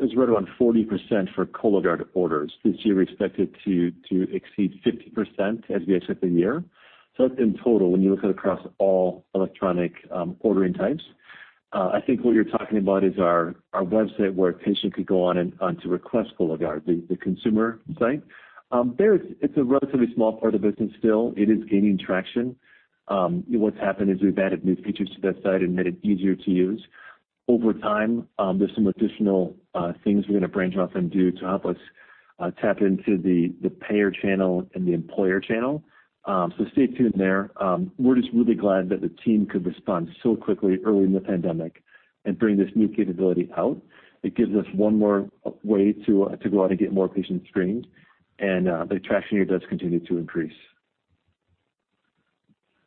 is right around 40% for Cologuard orders. This year, we expect it to exceed 50% as we exit the year. That's in total, when you look at across all electronic ordering types. I think what you're talking about is our website where a patient could go on to request Cologuard, the consumer site. There, it's a relatively small part of the business still. It is gaining traction. What's happened is we've added new features to that site and made it easier to use. Over time, there's some additional things we're going to branch off and do to help us tap into the payer channel and the employer channel. Stay tuned there. We're just really glad that the team could respond so quickly early in the pandemic and bring this new capability out. It gives us one more way to go out and get more patients screened, and the traction here does continue to increase.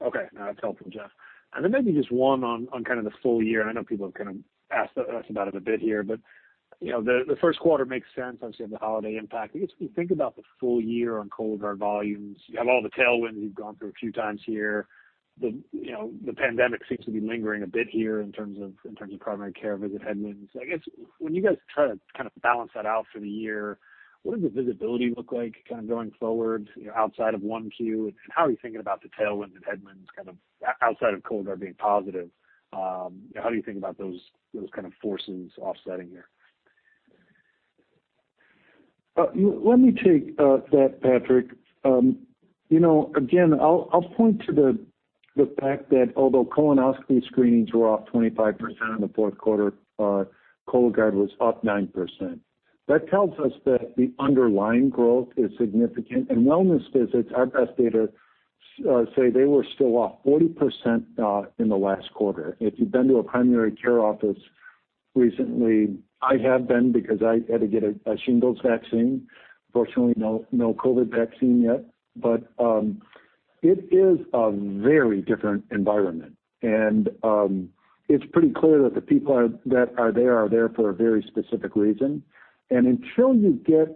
Okay. That's helpful, Jeff. Then maybe just one on kind of the full year. I know people have kind of asked us about it a bit here. The first quarter makes sense, obviously, the holiday impact. I guess, when you think about the full year on Cologuard volumes, you have all the tailwinds you've gone through a few times here. The pandemic seems to be lingering a bit here in terms of primary care visit headwinds. I guess, when you guys try to balance that out for the year, what does the visibility look like going forward outside of 1Q, and how are you thinking about the tailwind and headwinds outside of Cologuard being positive? How do you think about those kind of forces offsetting there? Let me take that, Patrick. Again, I'll point to the fact that although colonoscopy screenings were off 25% in the fourth quarter, Cologuard was up 9%. That tells us that the underlying growth is significant. Wellness visits, our best data say they were still off 40% in the last quarter. If you've been to a primary care office recently, I have been because I had to get a shingles vaccine. Fortunately, no COVID vaccine yet. It is a very different environment. It's pretty clear that the people that are there are there for a very specific reason. Until you get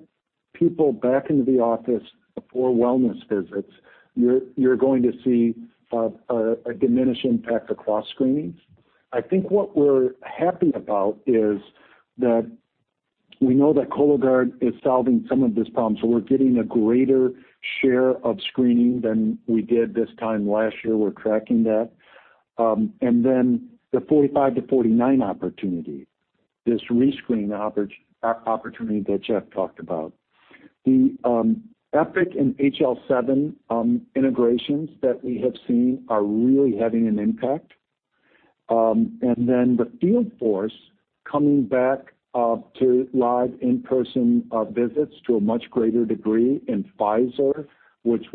people back into the office for wellness visits, you're going to see a diminished impact across screenings. I think what we're happy about is that we know that Cologuard is solving some of this problem. We're getting a greater share of screening than we did this time last year. We're tracking that. The 45-49 opportunity, this rescreen opportunity that Jeff talked about. The Epic and HL7 integrations that we have seen are really having an impact. The field force coming back to live in-person visits to a much greater degree, and Pfizer, which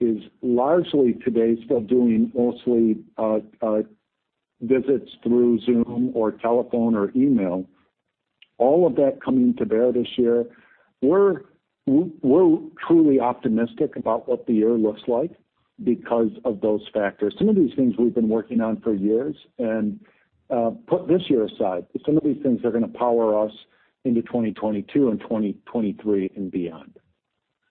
is largely today still doing mostly visits through Zoom or telephone or email. All of that coming to bear this year. We're truly optimistic about what the year looks like because of those factors. Some of these things we've been working on for years, and put this year aside, some of these things are going to power us into 2022 and 2023 and beyond.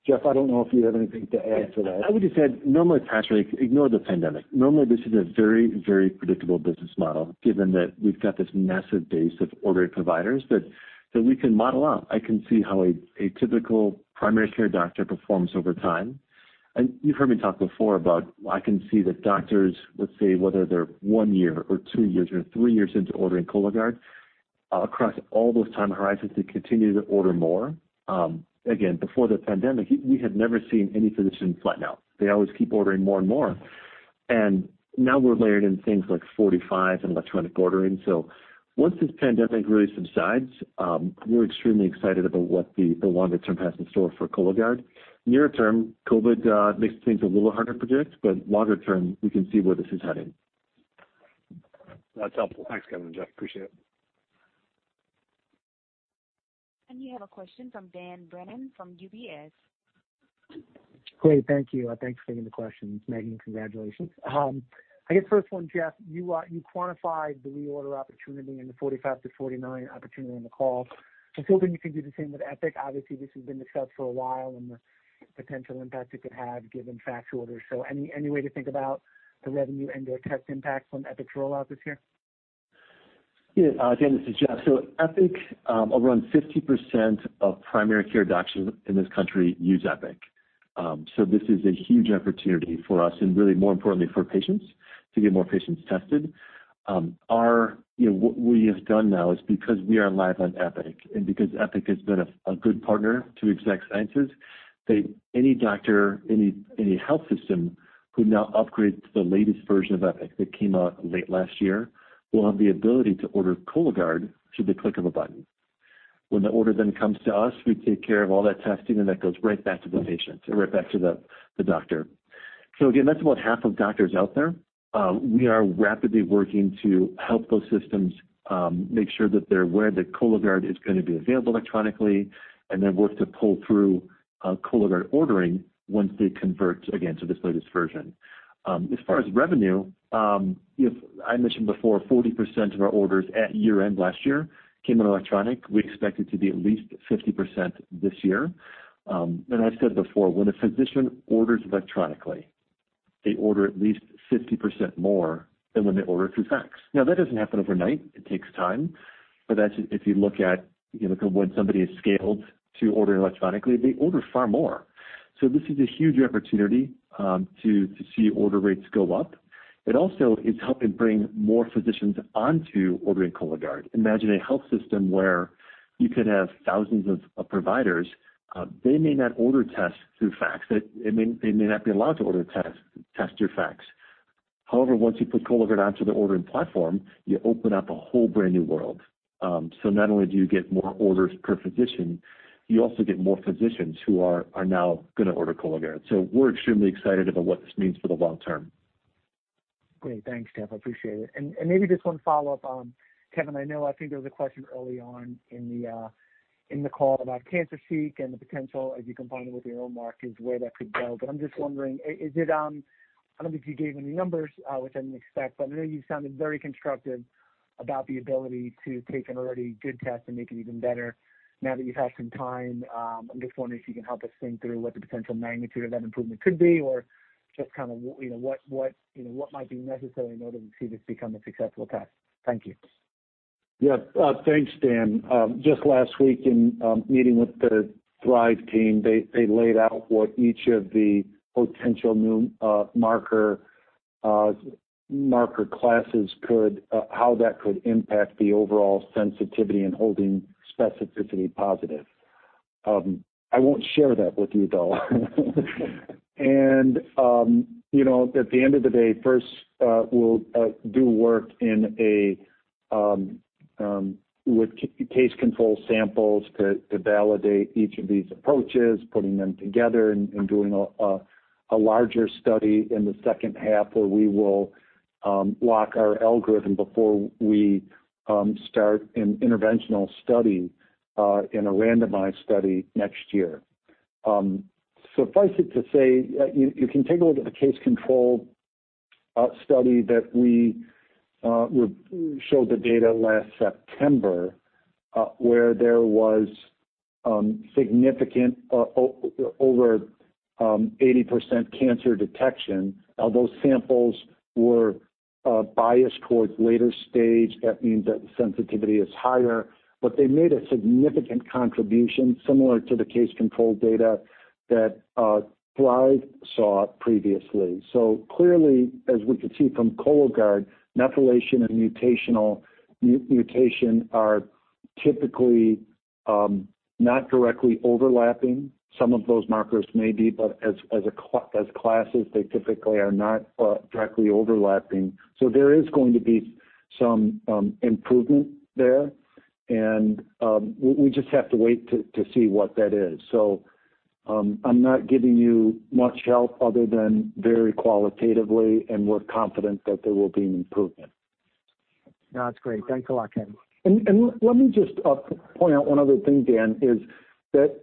Jeff, I don't know if you have anything to add to that. I would just add, normally, Patrick, ignore the pandemic. Normally, this is a very predictable business model, given that we've got this massive base of ordering providers that we can model out. I can see how a typical primary care doctor performs over time. You've heard me talk before about I can see the doctors, let's say, whether they're one year or two years or three years into ordering Cologuard, across all those time horizons, they continue to order more. Again, before the pandemic, we had never seen any physician flatten out. They always keep ordering more and more. Now we're layered in things like 45 and electronic ordering. Once this pandemic really subsides, we're extremely excited about what the longer term has in store for Cologuard. Near term, COVID makes things a little harder to predict, but longer term, we can see where this is heading. That's helpful. Thanks, Kevin and Jeff. Appreciate it. You have a question from Dan Brennan from UBS. Great. Thank you. Thanks for taking the questions. Megan, congratulations. I guess first one, Jeff, you quantified the reorder opportunity and the 45-49 opportunity on the call. I was hoping you could do the same with Epic. Obviously, this has been discussed for a while and the potential impact it could have given fax orders. Any way to think about the revenue and/or test impact from Epic's rollout this year? Dan, this is Jeff. Epic, around 50% of primary care doctors in this country use Epic. This is a huge opportunity for us and really more importantly, for patients to get more patients tested. What we have done now is because we are live on Epic and because Epic has been a good partner to Exact Sciences, that any doctor, any health system who now upgrades to the latest version of Epic that came out late last year will have the ability to order Cologuard through the click of a button. When the order then comes to us, we take care of all that testing, and that goes right back to the doctor. Again, that's about half of doctors out there. We are rapidly working to help those systems make sure that they're aware that Cologuard is going to be available electronically. Then work to pull through Cologuard ordering once they convert, again, to this latest version. As far as revenue, I mentioned before, 40% of our orders at year-end last year came in electronic. We expect it to be at least 50% this year. I've said before, when a physician orders electronically, they order at least 50% more than when they order through fax. That doesn't happen overnight. It takes time. That's if you look at when somebody is scaled to order electronically, they order far more. This is a huge opportunity to see order rates go up. It also is helping bring more physicians onto ordering Cologuard. Imagine a health system where you could have thousands of providers. They may not order tests through fax. They may not be allowed to order tests through fax. However, once you put Cologuard onto the ordering platform, you open up a whole brand new world. Not only do you get more orders per physician, you also get more physicians who are now going to order Cologuard. We're extremely excited about what this means for the long term. Great. Thanks, Jeff. I appreciate it. Maybe just one follow-up. Kevin, I know I think there was a question early on in the call about CancerSEEK and the potential as you combine it with the [earmark is] where that could go. I'm just wondering, I don't think you gave any numbers, which I didn't expect, but I know you sounded very constructive about the ability to take an already good test and make it even better now that you've had some time. I'm just wondering if you can help us think through what the potential magnitude of that improvement could be, or just what might be necessary in order to see this become a successful test. Thank you. Yeah. Thanks, Dan. Just last week in meeting with the Thrive team, they laid out what each of the potential new marker classes could, how that could impact the overall sensitivity in holding specificity positive. I won't share that with you, though. At the end of the day, first, we'll do work with case control samples to validate each of these approaches, putting them together and doing a larger study in the second half, where we will lock our algorithm before we start an interventional study in a randomized study next year. Suffice it to say, you can take a look at the case control study that we showed the data last September, where there was significant over 80% cancer detection. Now, those samples were biased towards later stage. That means that the sensitivity is higher. They made a significant contribution, similar to the case control data that Thrive saw previously. Clearly, as we can see from Cologuard, methylation and mutation are typically not directly overlapping. Some of those markers may be, but as classes, they typically are not directly overlapping. There is going to be some improvement there, and we just have to wait to see what that is. I'm not giving you much help other than very qualitatively, and we're confident that there will be an improvement. No, that's great. Thanks a lot, Kevin. Let me just point out one other thing, Dan, is that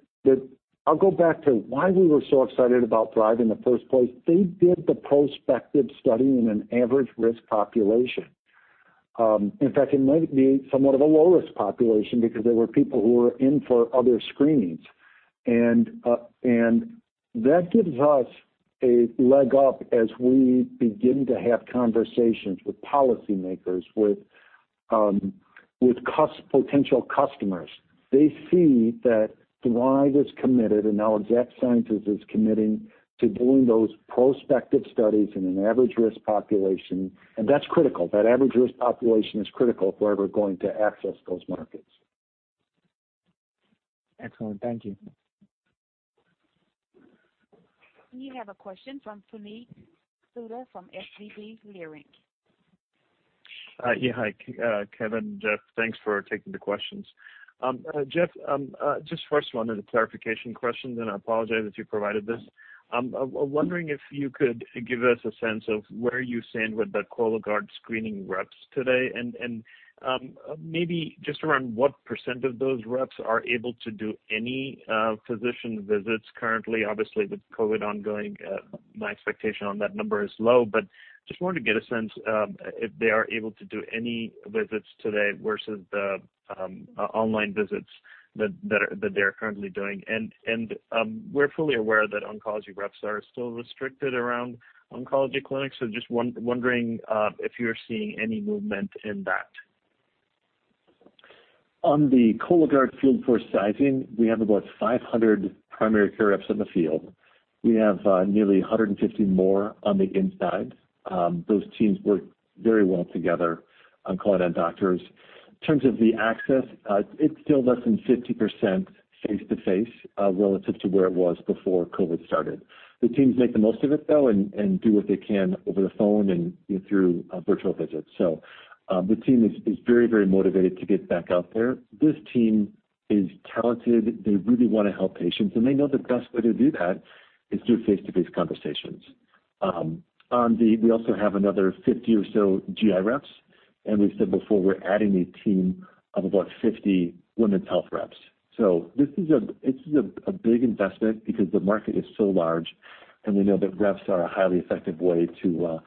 I'll go back to why we were so excited about Thrive in the first place. They did the prospective study in an average-risk population. In fact, it might be somewhat of a low-risk population because there were people who were in for other screenings. That gives us a leg up as we begin to have conversations with policymakers, with potential customers. They see that Thrive is committed and now Exact Sciences is committing to doing those prospective studies in an average-risk population. That's critical. That average-risk population is critical if we're ever going to access those markets. Excellent. Thank you. We have a question from Puneet Souda from SVB Leerink. Hi, Kevin, Jeff. Thanks for taking the questions. Jeff, just first one is a clarification question. I apologize if you provided this. I'm wondering if you could give us a sense of where you stand with the Cologuard screening reps today, and maybe just around what percent of those reps are able to do any physician visits currently. Obviously, with COVID ongoing, my expectation on that number is low. Just wanted to get a sense if they are able to do any visits today versus the online visits that they're currently doing. We're fully aware that oncology reps are still restricted around oncology clinics. Just wondering if you're seeing any movement in that. On the Cologuard field force sizing, we have about 500 primary care reps in the field. We have nearly 150 more on the inside. Those teams work very well together on call and on doctors. In terms of the access, it's still less than 50% face-to-face relative to where it was before COVID started. The teams make the most of it, though, and do what they can over the phone and through virtual visits. The team is very motivated to get back out there. This team is talented. They really want to help patients, and they know the best way to do that is through face-to-face conversations. We also have another 50 or so GI reps, and we've said before, we're adding a team of about 50 women's health reps. This is a big investment because the market is so large, and we know that reps are a highly effective way to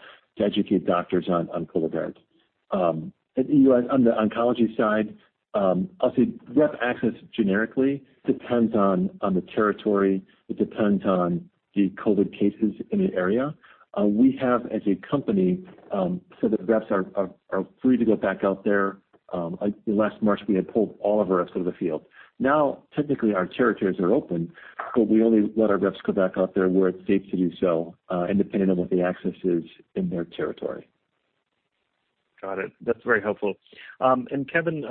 educate doctors on Cologuard. On the oncology side, I'll say rep access generically depends on the territory. It depends on the COVID cases in an area. We have as a company said that reps are free to go back out there. Last March, we had pulled all of our reps out of the field. Technically our territories are open, but we only let our reps go back out there where it's safe to do so, independent of what the access is in their territory. Got it. That's very helpful. Kevin,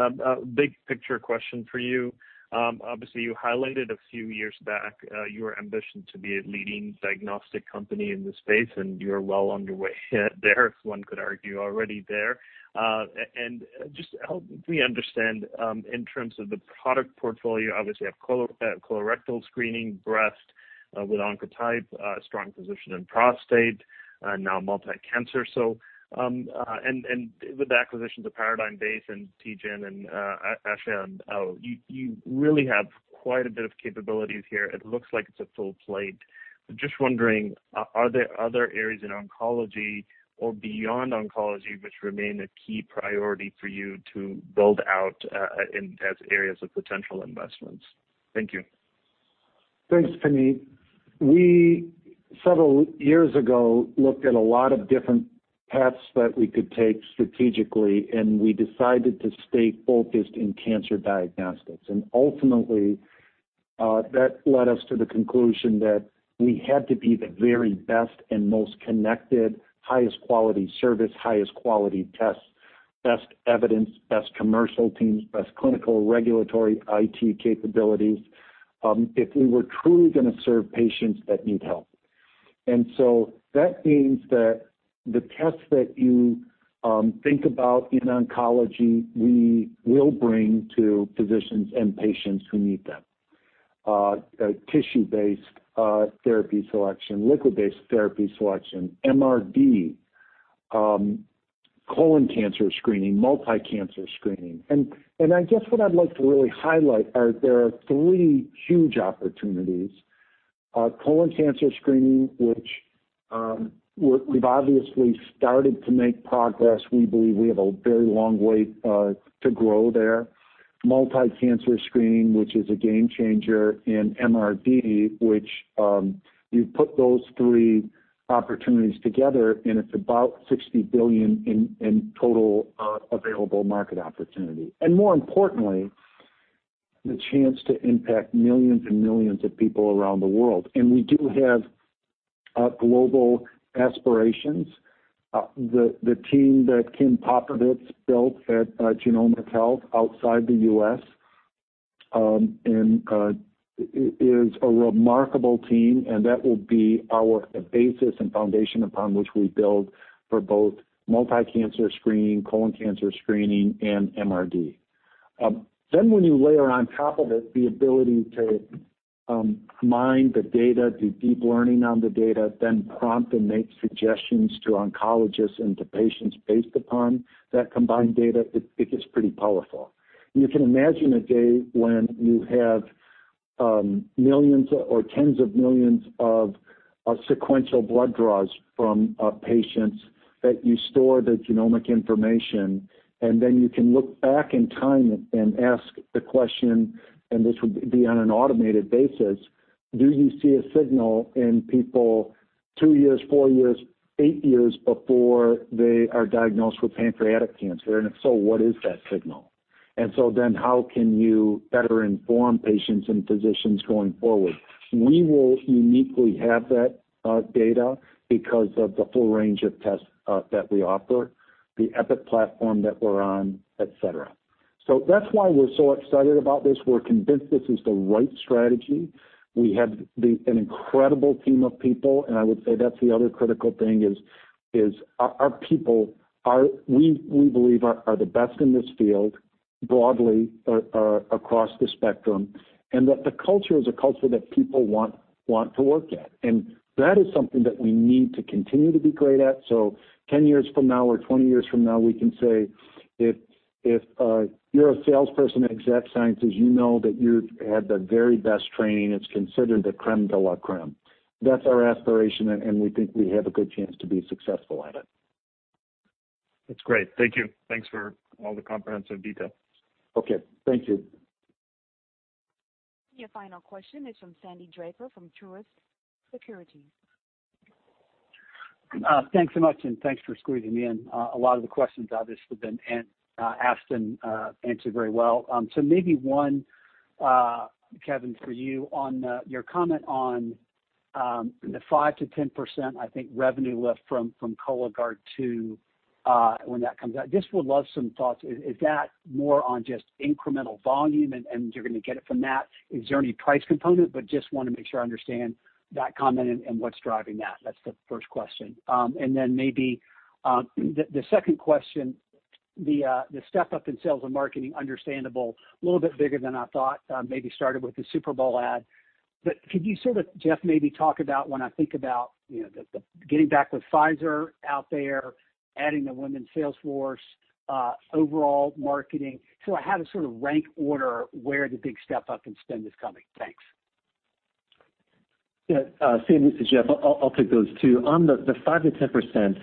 big picture question for you. Obviously, you highlighted a few years back your ambition to be a leading diagnostic company in the space, and you're well underway there, if one could argue, already there. Just help me understand in terms of the product portfolio, obviously you have colorectal screening, breast with Oncotype, a strong position in prostate, now multi-cancer. With the acquisitions of Paradigm Base and TGen and Ashion and [Owl], you really have quite a bit of capabilities here. It looks like it's a full plate. Just wondering, are there other areas in oncology or beyond oncology which remain a key priority for you to build out as areas of potential investments? Thank you. Thanks, Puneet. We, several years ago, looked at a lot of different paths that we could take strategically, we decided to stay focused in cancer diagnostics. Ultimately, that led us to the conclusion that we had to be the very best and most connected, highest quality service, highest quality tests, best evidence, best commercial teams, best clinical regulatory IT capabilities if we were truly going to serve patients that need help. That means that the tests that you think about in oncology, we will bring to physicians and patients who need them. Tissue-based therapy selection, liquid-based therapy selection, MRD, colon cancer screening, multi-cancer screening. I guess what I'd like to really highlight are, there are three huge opportunities. Colon cancer screening, which we've obviously started to make progress. We believe we have a very long way to grow there. Multi-cancer screening, which is a game changer, and MRD. It's about $60 billion in total available market opportunity. More importantly, the chance to impact millions and millions of people around the world. We do have global aspirations. The team that Kim Popovits built at Genomic Health outside the U.S. is a remarkable team, and that will be our basis and foundation upon which we build for both multi-cancer screening, colon cancer screening, and MRD. When you layer on top of it the ability to mine the data, do deep learning on the data, then prompt and make suggestions to oncologists and to patients based upon that combined data, it gets pretty powerful. You can imagine a day when you have millions or 10s of millions of sequential blood draws from patients that you store the genomic information, and then you can look back in time and ask the question, and this would be on an automated basis, do you see a signal in people two years, four years, eight years before they are diagnosed with pancreatic cancer? If so, what is that signal? How can you better inform patients and physicians going forward? We will uniquely have that data because of the full range of tests that we offer, the Epic platform that we're on, et cetera. That's why we're so excited about this. We're convinced this is the right strategy. We have an incredible team of people. I would say that's the other critical thing is our people, we believe, are the best in this field broadly across the spectrum. That the culture is a culture that people want to work at. That is something that we need to continue to be great at. 10 years from now or 20 years from now, we can say if you're a salesperson at Exact Sciences, you know that you had the very best training. It's considered the crème de la crème. That's our aspiration. We think we have a good chance to be successful at it. That's great. Thank you. Thanks for all the comprehensive detail. Okay. Thank you. Your final question is from Sandy Draper from Truist Securities. Thanks so much, thanks for squeezing me in. A lot of the questions obviously have been asked and answered very well. Maybe one, Kevin, for you on your comment on the 5%-10%, I think, revenue lift from Cologuard 2 when that comes out. Just would love some thoughts. Is that more on just incremental volume and you're going to get it from that? Is there any price component? Just want to make sure I understand that comment and what's driving that. That's the first question. Maybe the second question, the step-up in sales and marketing, understandable, a little bit bigger than I thought, maybe started with the Super Bowl ad. Could you, Jeff, maybe talk about when I think about the getting back with Pfizer out there, adding the women sales force, overall marketing? I have a sort of rank order where the big step-up in spend is coming. Thanks. Yeah. Sandy, this is Jeff. I'll take those two. On the 5%-10%,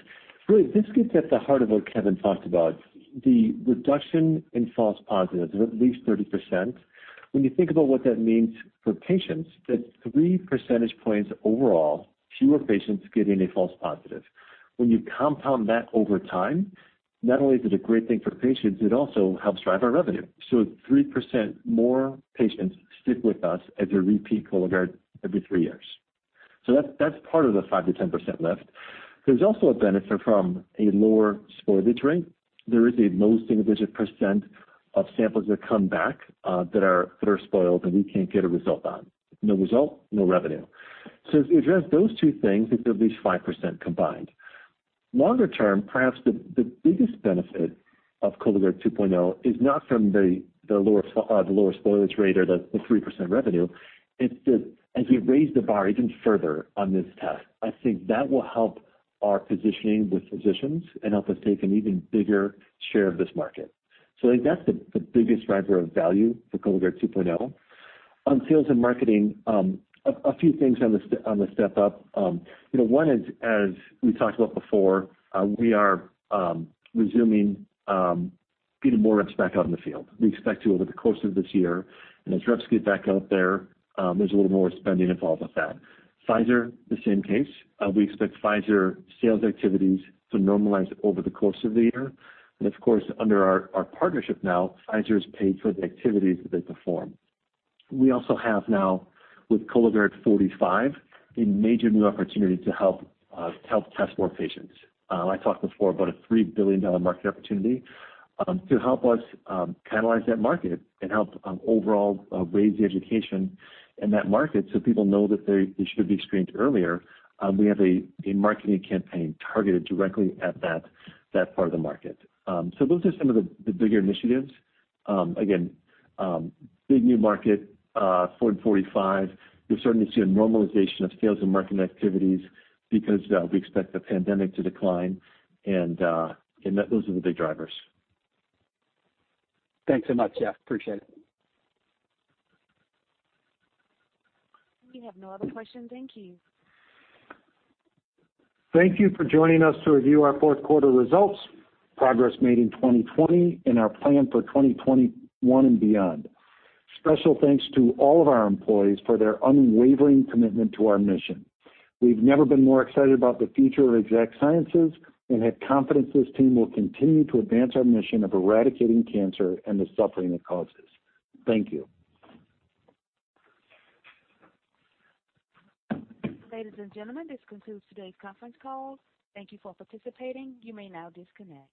really, this gets at the heart of what Kevin talked about. The reduction in false positives of at least 30%. When you think about what that means for patients, that's three percentage points overall, fewer patients getting a false positive. When you compound that over time, not only is it a great thing for patients, it also helps drive our revenue. 3% more patients stick with us as a repeat Cologuard every three years. That's part of the 5%-10% lift. There's also a benefit from a lower spoilage rate. There is a low single-digit percent of samples that come back that are spoiled that we can't get a result on. No result, no revenue. If you address those two things, it's at least 5% combined. Longer term, perhaps the biggest benefit of Cologuard 2.0 is not from the lower spoilage rate or the 3% revenue, it's that as we raise the bar even further on this test, I think that will help our positioning with physicians and help us take an even bigger share of this market. I think that's the biggest driver of value for Cologuard 2.0. On sales and marketing, a few things on the step-up. One is, as we talked about before, we are resuming getting more reps back out in the field. We expect to over the course of this year. As reps get back out there's a little more spending involved with that. Pfizer, the same case. We expect Pfizer sales activities to normalize over the course of the year. Of course, under our partnership now, Pfizer has paid for the activities that they perform. We also have now with Cologuard 45, a major new opportunity to help test more patients. I talked before about a $3 billion market opportunity. To help us catalyze that market and help overall raise the education in that market so people know that they should be screened earlier, we have a marketing campaign targeted directly at that part of the market. Those are some of the bigger initiatives. Again, big new market, 40 and 45. We're starting to see a normalization of sales and marketing activities because we expect the pandemic to decline, and those are the big drivers. Thanks so much, Jeff. Appreciate it. We have no other questions in queue. Thank you for joining us to review our fourth quarter results, progress made in 2020, and our plan for 2021 and beyond. Special thanks to all of our employees for their unwavering commitment to our mission. We've never been more excited about the future of Exact Sciences and have confidence this team will continue to advance our mission of eradicating cancer and the suffering it causes. Thank you. Ladies and gentlemen, this concludes today's conference call. Thank you for participating. You may now disconnect.